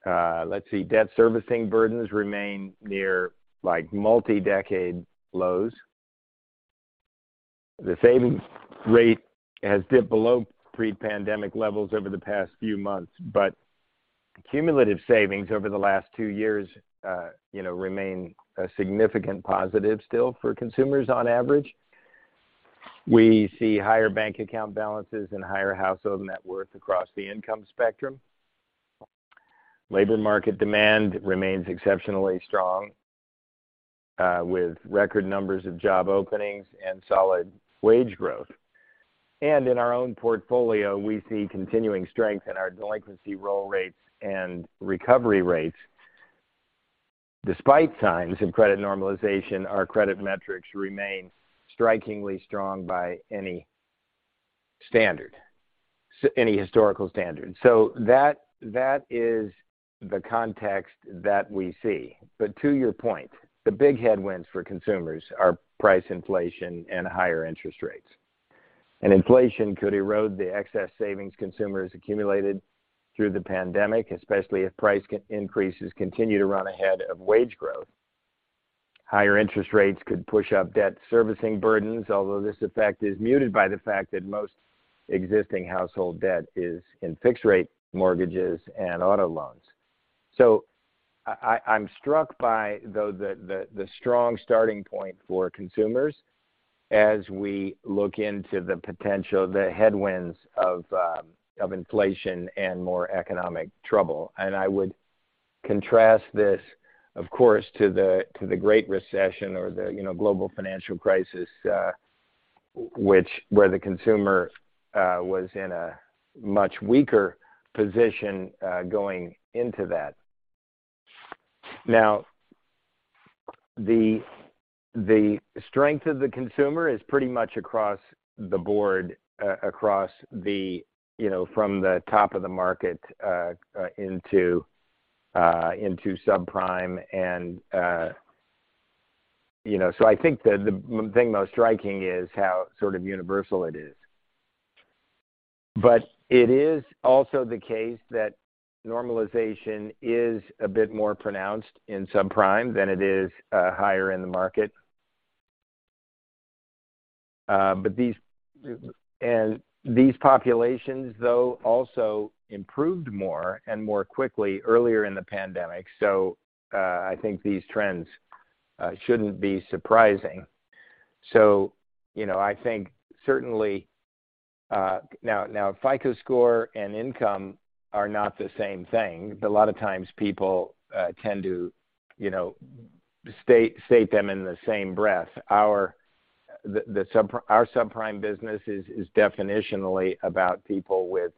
Let's see. Debt servicing burdens remain near, like, multi-decade lows. The savings rate has dipped below pre-pandemic levels over the past few months, but cumulative savings over the last two years, you know, remain a significant positive still for consumers on average. We see higher bank account balances and higher household net worth across the income spectrum. Labor market demand remains exceptionally strong, with record numbers of job openings and solid wage growth. In our own portfolio, we see continuing strength in our delinquency roll rates and recovery rates. Despite signs of credit normalization, our credit metrics remain strikingly strong by any standard, any historical standard. That is the context that we see. To your point, the big headwinds for consumers are price inflation and higher interest rates. Inflation could erode the excess savings consumers accumulated through the pandemic, especially if price increases continue to run ahead of wage growth. Higher interest rates could push up debt servicing burdens, although this effect is muted by the fact that most existing household debt is in fixed rate mortgages and auto loans. I'm struck by though the strong starting point for consumers as we look into the potential headwinds of inflation and more economic trouble. I would contrast this, of course, to the Great Recession or the, you know, global financial crisis, where the consumer was in a much weaker position going into that. Now, the strength of the consumer is pretty much across the board, across the, you know, from the top of the market into subprime and, you know. I think the most striking thing is how sort of universal it is. It is also the case that normalization is a bit more pronounced in subprime than it is higher in the market. These populations, though, also improved more and more quickly earlier in the pandemic. I think these trends shouldn't be surprising. You know, I think certainly now FICO score and income are not the same thing, but a lot of times people tend to, you know, state them in the same breath. Our subprime business is definitionally about people with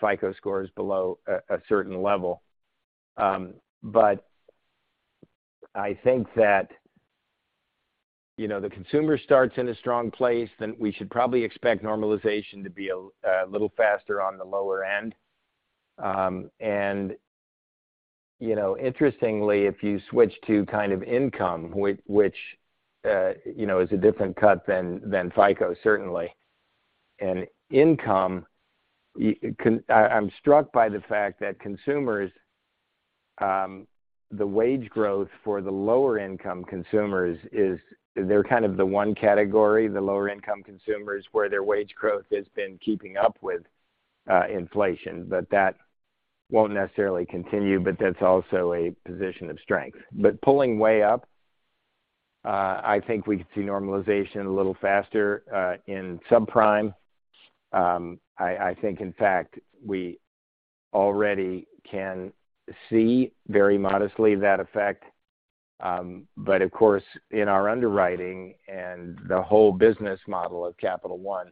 FICO scores below a certain level. But I think that, you know, the consumer starts in a strong place, then we should probably expect normalization to be a little faster on the lower end. And, you know, interestingly, if you switch to kind of income, which, you know, is a different cut than FICO, certainly. I'm struck by the fact that consumers, the wage growth for the lower income consumers is they're kind of the one category, the lower income consumers, where their wage growth has been keeping up with inflation. That won't necessarily continue, but that's also a position of strength. Pulling way up, I think we could see normalization a little faster in subprime. I think, in fact, we already can see very modestly that effect. Of course, in our underwriting and the whole business model of Capital One,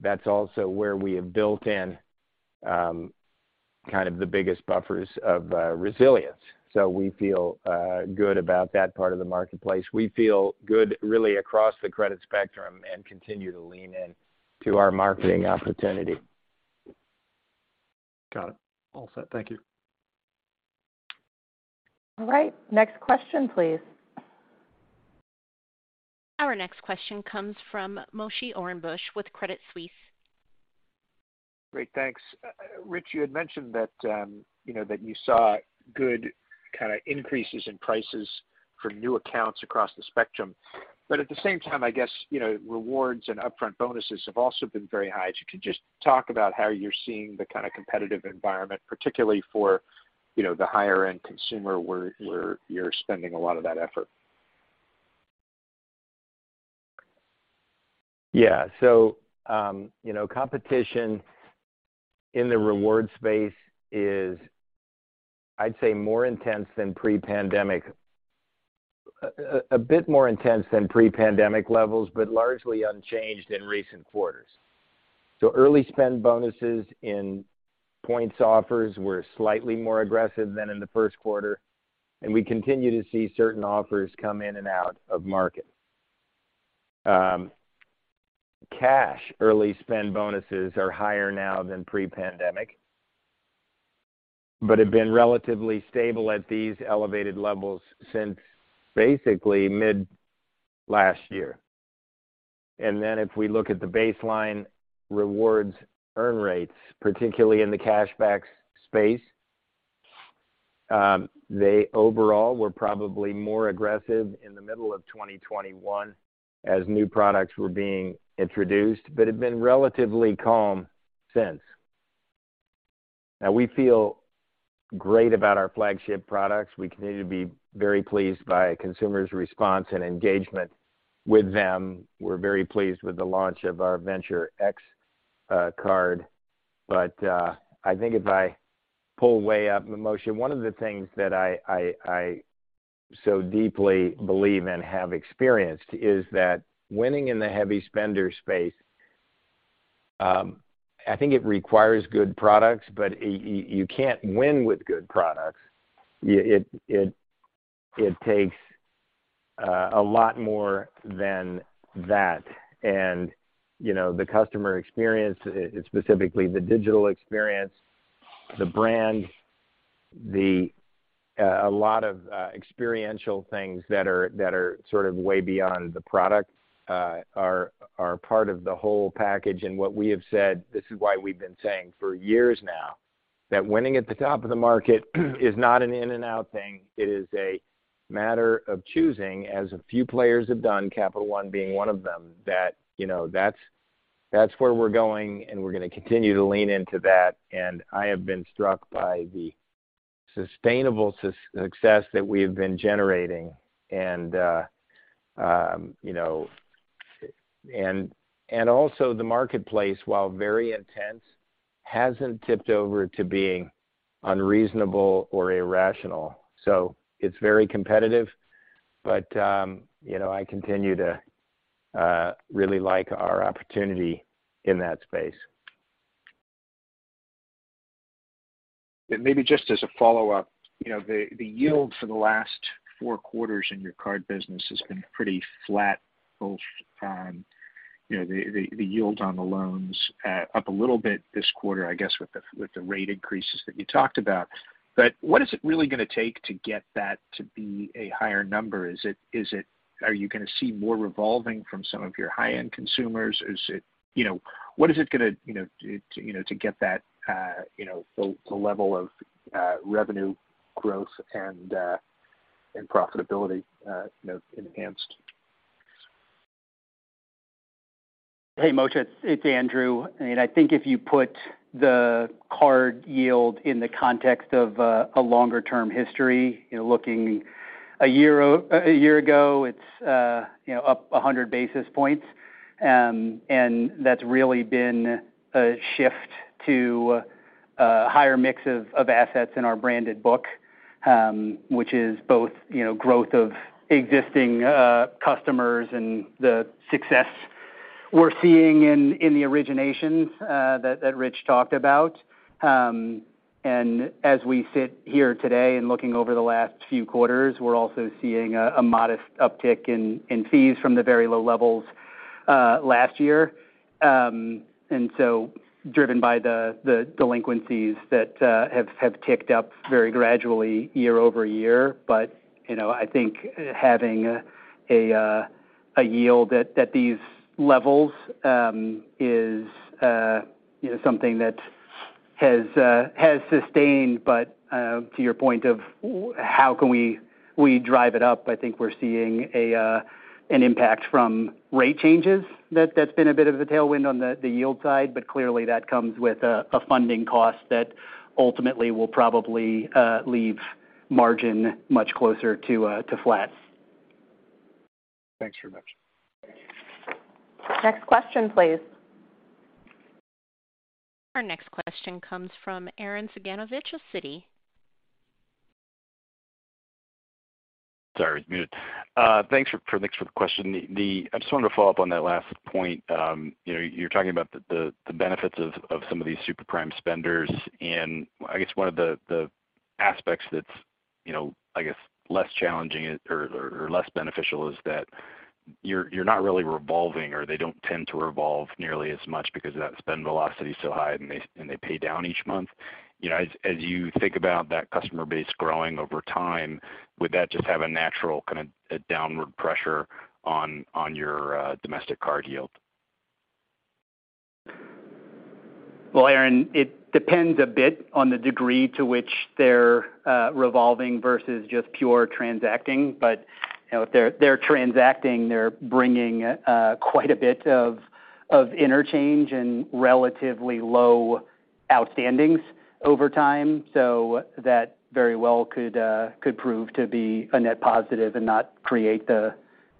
that's also where we have built in kind of the biggest buffers of resilience. We feel good about that part of the marketplace. We feel good really across the credit spectrum and continue to lean in to our marketing opportunity. Got it. All set. Thank you. All right. Next question, please. Our next question comes from Moshe Orenbuch with Credit Suisse. Great, thanks. Rich, you had mentioned that, you know, that you saw good kinda increases in prices for new accounts across the spectrum. At the same time, I guess, you know, rewards and upfront bonuses have also been very high. If you could just talk about how you're seeing the kind of competitive environment, particularly for, you know, the higher end consumer where you're spending a lot of that effort. Yeah. You know, competition in the reward space is, I'd say, a bit more intense than pre-pandemic levels, but largely unchanged in recent quarters. Early spend bonuses and points offers were slightly more aggressive than in the first quarter, and we continue to see certain offers come in and out of market. Cash early spend bonuses are higher now than pre-pandemic, but have been relatively stable at these elevated levels since basically mid last year. If we look at the baseline rewards earn rates, particularly in the cash back space, they overall were probably more aggressive in the middle of 2021 as new products were being introduced, but have been relatively calm since. We feel great about our flagship products. We continue to be very pleased by consumers' response and engagement with them. We're very pleased with the launch of our Venture X card. I think if I pull way up, Moshe, one of the things that I so deeply believe and have experienced is that winning in the heavy spender space, I think it requires good products, but you can't win with good products. It takes a lot more than that. You know, the customer experience, specifically the digital experience, the brand, a lot of experiential things that are sort of way beyond the product are part of the whole package. What we have said, this is why we've been saying for years now, that winning at the top of the market is not an in and out thing, it is a matter of choosing, as a few players have done, Capital One being one of them, that, you know, that's where we're going, and we're gonna continue to lean into that. I have been struck by the sustainable success that we have been generating. You know, and also the marketplace, while very intense, hasn't tipped over to being unreasonable or irrational. It's very competitive, but, you know, I continue to really like our opportunity in that space. Maybe just as a follow-up, you know, the yield for the last four quarters in your card business has been pretty flat, both on, you know, the yield on the loans, up a little bit this quarter, I guess, with the rate increases that you talked about. What is it really gonna take to get that to be a higher number? Are you gonna see more revolving from some of your high-end consumers? You know, what is it gonna take to get that level of revenue growth and profitability enhanced? Hey, Moshe, it's Andrew. I think if you put the card yield in the context of a longer term history, you know, looking a year ago, it's up 100 basis points. That's really been a shift to a higher mix of assets in our branded book, which is both, you know, growth of existing customers and the success we're seeing in the originations that Rich talked about. As we sit here today and looking over the last few quarters, we're also seeing a modest uptick in fees from the very low levels last year. Driven by the delinquencies that have ticked up very gradually year-over-year. You know, I think having a yield at these levels is, you know, something that has sustained. To your point of how can we drive it up, I think we're seeing an impact from rate changes that's been a bit of a tailwind on the yield side, but clearly that comes with a funding cost that ultimately will probably leave margin much closer to flat. Thanks very much. Next question, please. Our next question comes from Arren Cyganovich of Citi. Sorry, it was muted. Thanks for the question. I just wanted to follow up on that last point. You know, you're talking about the benefits of some of these super prime spenders. I guess one of the aspects that's, you know, I guess less challenging or less beneficial is that you're not really revolving or they don't tend to revolve nearly as much because of that spend velocity is so high, and they pay down each month. You know, as you think about that customer base growing over time, would that just have a natural kind of a downward pressure on your Domestic Card yield? Well, Arren, it depends a bit on the degree to which they're revolving versus just pure transacting. You know, if they're transacting, they're bringing quite a bit of interchange and relatively low outstandings over time. That very well could prove to be a net positive and not create the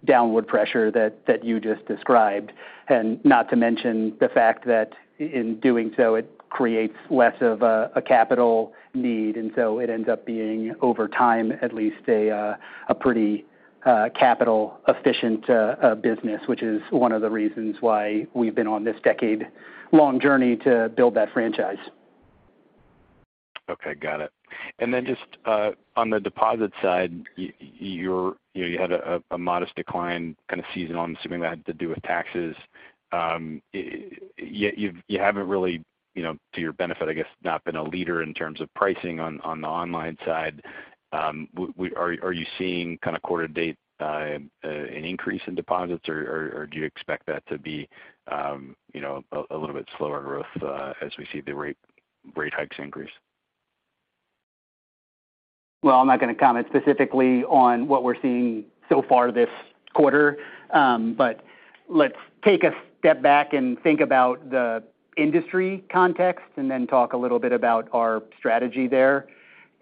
downward pressure that you just described. Not to mention the fact that in doing so, it creates less of a capital need, and so it ends up being, over time, at least a pretty capital efficient business, which is one of the reasons why we've been on this decade-long journey to build that franchise. Okay. Got it. Just on the deposit side, you're you know, you had a modest decline, kind of seasonal. I'm assuming that had to do with taxes. You haven't really, you know, to your benefit, I guess, not been a leader in terms of pricing on the online side. Are you seeing kind of quarter-to-date an increase in deposits or do you expect that to be you know, a little bit slower growth as we see the rate hikes increase? Well, I'm not going to comment specifically on what we're seeing so far this quarter. Let's take a step back and think about the industry context and then talk a little bit about our strategy there.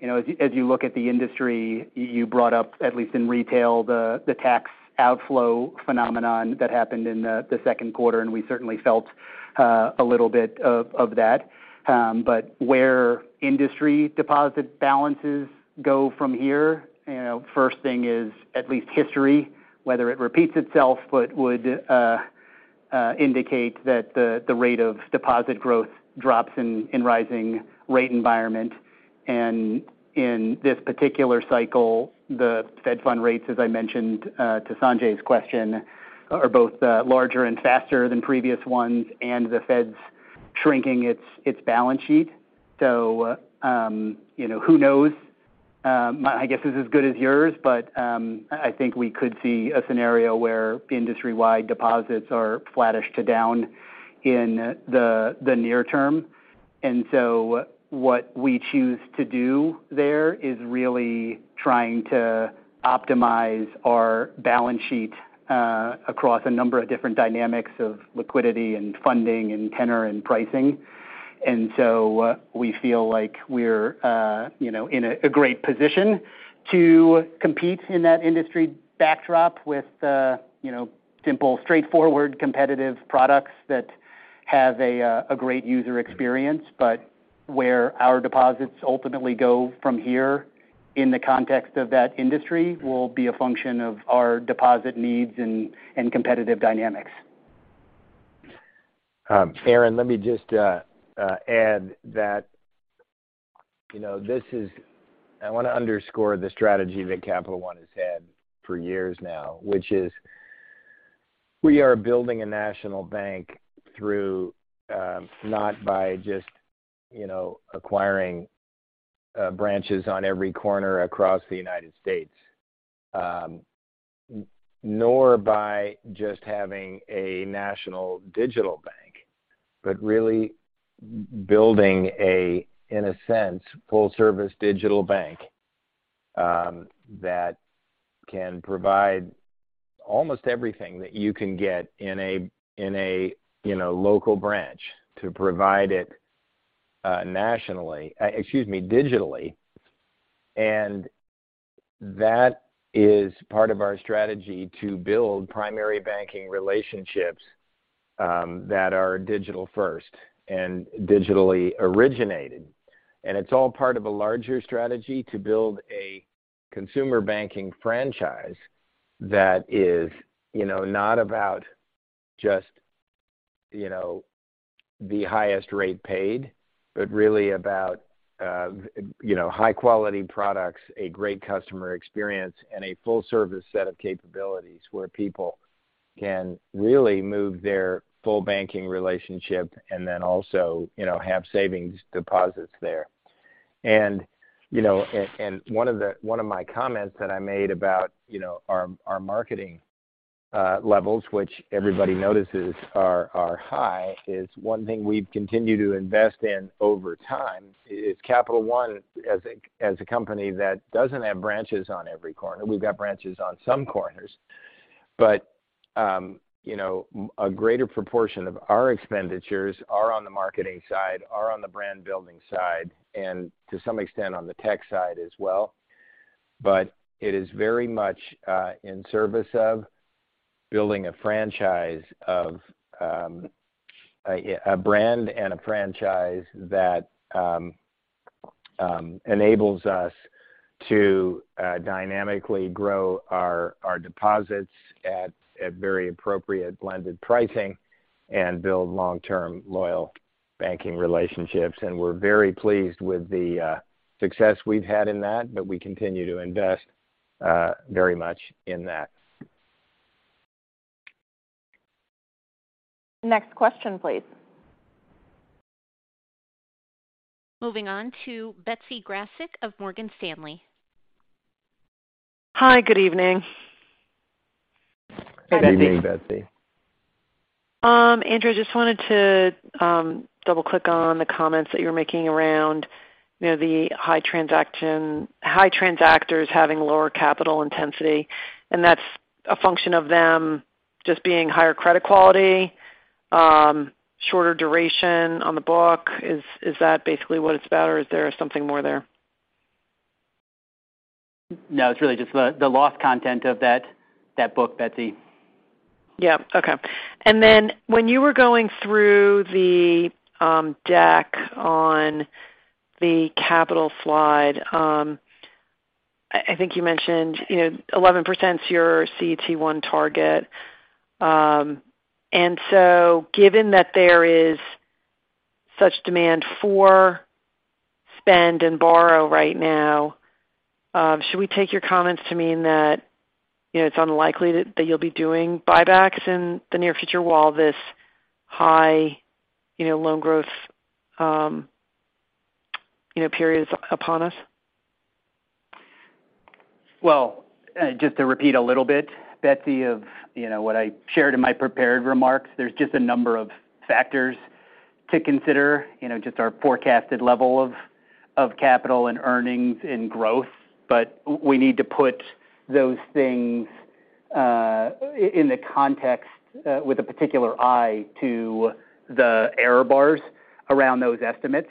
You know, as you look at the industry, you brought up, at least in retail, the tax outflow phenomenon that happened in the second quarter, and we certainly felt a little bit of that. Where industry deposit balances go from here, you know, first thing is at least history, whether it repeats itself, but would indicate that the rate of deposit growth drops in rising rate environment. In this particular cycle, the Fed fund rates, as I mentioned, to Sanjay's question, are both larger and faster than previous ones, and the Fed's shrinking its balance sheet. You know, who knows? My guess is as good as yours, but I think we could see a scenario where industry-wide deposits are flattish to down in the near term. What we choose to do there is really trying to optimize our balance sheet across a number of different dynamics of liquidity and funding and tenor and pricing. We feel like we're, you know, in a great position to compete in that industry backdrop with, you know, simple, straightforward, competitive products that have a great user experience. Where our deposits ultimately go from here in the context of that industry will be a function of our deposit needs and competitive dynamics. Arren, let me just add that, you know, this is. I want to underscore the strategy that Capital One has had for years now, which is we are building a national bank through not by just, you know, acquiring branches on every corner across the United States, nor by just having a national digital bank, but really building a, in a sense, full service digital bank. That can provide almost everything that you can get in a local branch to provide it, nationally, excuse me, digitally. That is part of our strategy to build primary banking relationships that are digital first and digitally originated. It's all part of a larger strategy to build a consumer banking franchise that is, you know, not about just, you know, the highest rate paid, but really about, you know, high-quality products, a great customer experience, and a full service set of capabilities where people can really move their full banking relationship and then also, you know, have savings deposits there. You know, one of my comments that I made about, you know, our marketing levels, which everybody notices are high, is one thing we've continued to invest in over time is Capital One as a company that doesn't have branches on every corner. We've got branches on some corners, but you know, a greater proportion of our expenditures are on the marketing side, are on the brand building side and to some extent on the tech side as well. It is very much in service of building a franchise of a brand and a franchise that enables us to dynamically grow our deposits at very appropriate blended pricing and build long-term loyal banking relationships. We're very pleased with the success we've had in that, but we continue to invest very much in that. Next question please. Moving on to Betsy Graseck of Morgan Stanley. Hi. Good evening. Good evening, Betsy. Andrew, just wanted to double-click on the comments that you were making around, you know, the high transactors having lower capital intensity, and that's a function of them just being higher credit quality, shorter duration on the book. Is that basically what it's about, or is there something more there? No, it's really just the loss content of that book, Betsy. Yeah. Okay. Then when you were going through the deck on the capital slide, I think you mentioned, you know, 11% is your CET1 target. Given that there is such demand for spend and borrow right now, should we take your comments to mean that, you know, it's unlikely that you'll be doing buybacks in the near future while this high, you know, loan growth period is upon us? Well, just to repeat a little bit, Betsy, of, you know, what I shared in my prepared remarks, there's just a number of factors to consider, you know, just our forecasted level of capital and earnings and growth. We need to put those things in the context with a particular eye to the error bars around those estimates.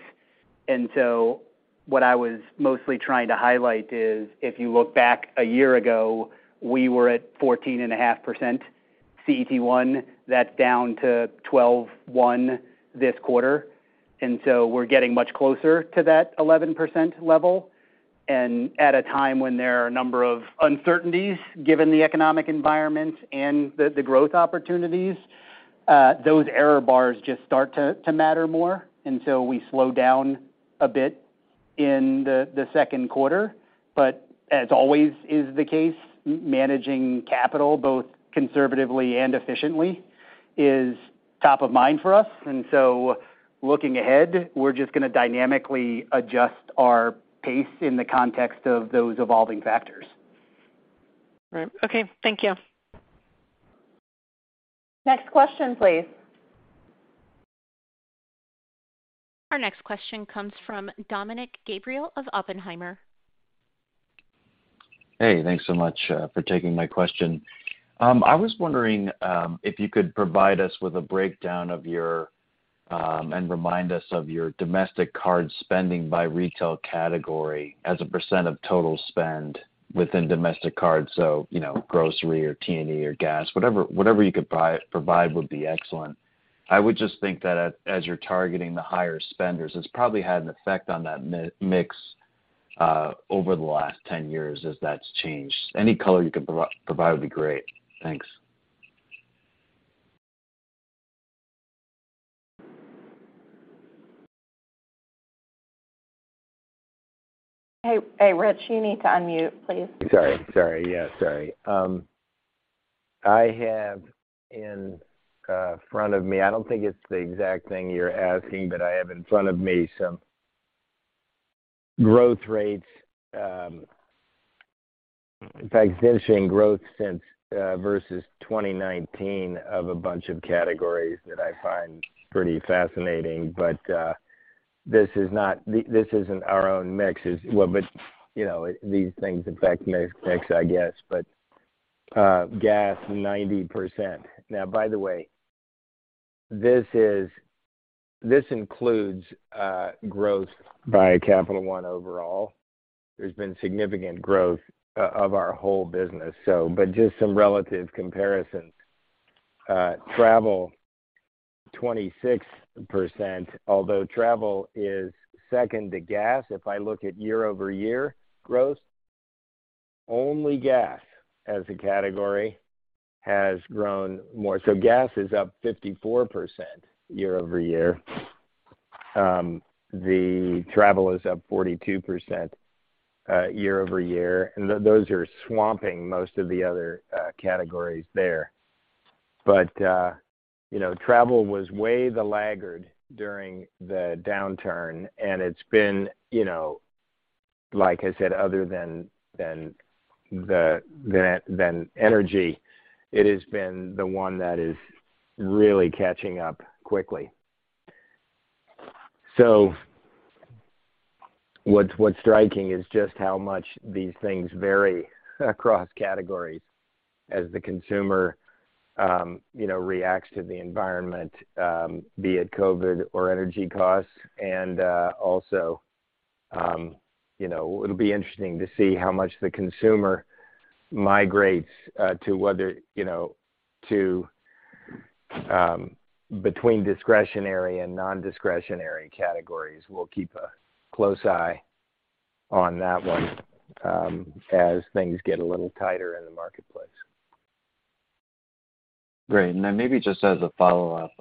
What I was mostly trying to highlight is if you look back a year ago, we were at 14.5% CET1. That's down to 12.1 this quarter. We're getting much closer to that 11% level. At a time when there are a number of uncertainties given the economic environment and the growth opportunities, those error bars just start to matter more. We slow down a bit in the second quarter. As always is the case, managing capital both conservatively and efficiently is top of mind for us. Looking ahead, we're just gonna dynamically adjust our pace in the context of those evolving factors. Right. Okay. Thank you. Next question, please. Our next question comes from Dominick Gabriele of Oppenheimer. Hey, thanks so much for taking my question. I was wondering if you could provide us with a breakdown of your and remind us of your domestic card spending by retail category as a % of total spend within domestic cards, so you know, grocery or T&E or gas. Whatever you could provide would be excellent. I would just think that as you're targeting the higher spenders, it's probably had an effect on that mix over the last 10 years as that's changed. Any color you could provide would be great. Thanks. Hey, Rich, you need to unmute please. Sorry. Yeah, sorry. I have in front of me. I don't think it's the exact thing you're asking, but I have in front of me some growth rates. In fact, demonstrating growth since versus 2019 of a bunch of categories that I find pretty fascinating. This is not this isn't our own mix is. Well, you know, these things affect mix, I guess. Gas, 90%. Now, by the way, this includes growth by Capital One overall. There's been significant growth of our whole business. Just some relative comparisons. Travel, 26%. Although travel is second to gas. If I look at year-over-year growth, only gas as a category has grown more. Gas is up 54% year-over-year. The travel is up 42% year-over-year. Those are swamping most of the other categories there. You know, travel was way the laggard during the downturn, and it's been, you know, like I said, other than energy, it has been the one that is really catching up quickly. What's striking is just how much these things vary across categories as the consumer, you know, reacts to the environment, be it COVID or energy costs. Also, you know, it'll be interesting to see how much the consumer migrates between discretionary and non-discretionary categories. We'll keep a close eye on that one as things get a little tighter in the marketplace. Great. Maybe just as a follow-up,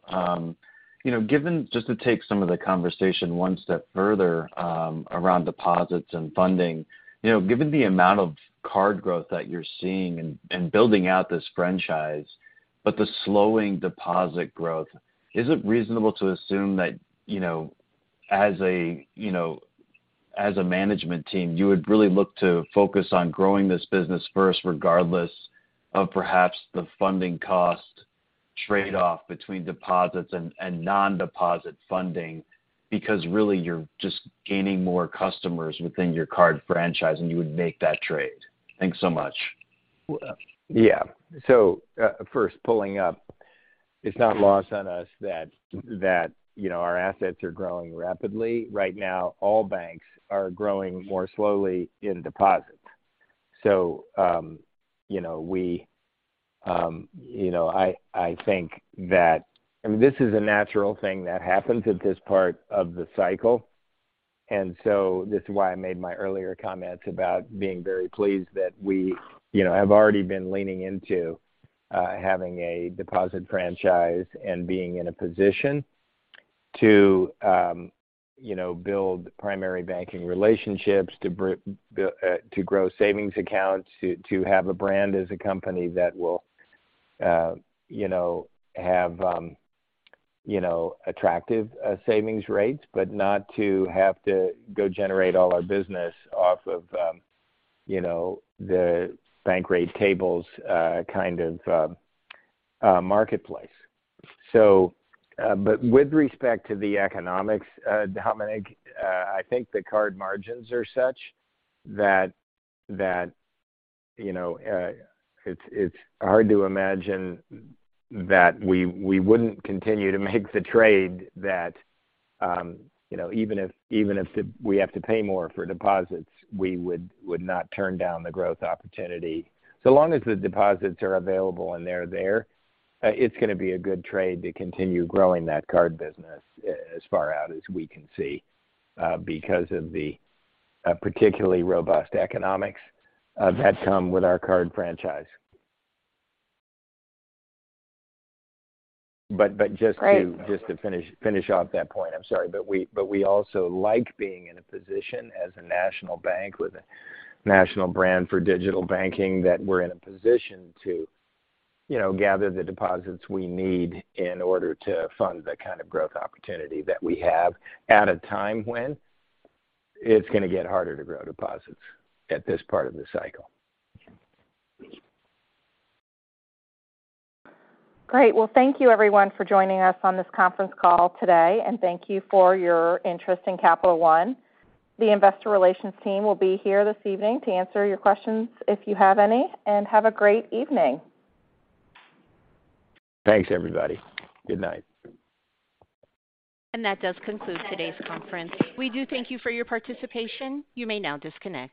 you know, given just to take some of the conversation one step further, around deposits and funding. You know, given the amount of card growth that you're seeing and building out this franchise, but the slowing deposit growth, is it reasonable to assume that, you know, as a management team, you would really look to focus on growing this business first, regardless of perhaps the funding cost trade-off between deposits and non-deposit funding because really you're just gaining more customers within your card franchise, and you would make that trade? Thanks so much. Yeah. First pulling up, it's not lost on us that you know, our assets are growing rapidly. Right now, all banks are growing more slowly in deposits. You know, we you know I think that I mean, this is a natural thing that happens at this part of the cycle. This is why I made my earlier comments about being very pleased that we you know, have already been leaning into having a deposit franchise and being in a position to you know, build primary banking relationships, to grow savings accounts, to have a brand as a company that will you know have you know attractive savings rates. Not to have to go generate all our business off of, you know, the bank rate tables, kind of marketplace. With respect to the economics, Dominick, I think the card margins are such that you know it's hard to imagine that we wouldn't continue to make the trade that you know even if we have to pay more for deposits we would not turn down the growth opportunity. So long as the deposits are available and they're there, it's gonna be a good trade to continue growing that card business as far out as we can see, because of the particularly robust economics that come with our card franchise. Great. Just to finish off that point. I'm sorry. We also like being in a position as a national bank with a national brand for digital banking, that we're in a position to, you know, gather the deposits we need in order to fund the kind of growth opportunity that we have at a time when it's gonna get harder to grow deposits at this part of the cycle. Great. Well, thank you everyone for joining us on this conference call today, and thank you for your interest in Capital One. The investor relations team will be here this evening to answer your questions if you have any. Have a great evening. Thanks, everybody. Good night. That does conclude today's conference. We do thank you for your participation. You may now disconnect.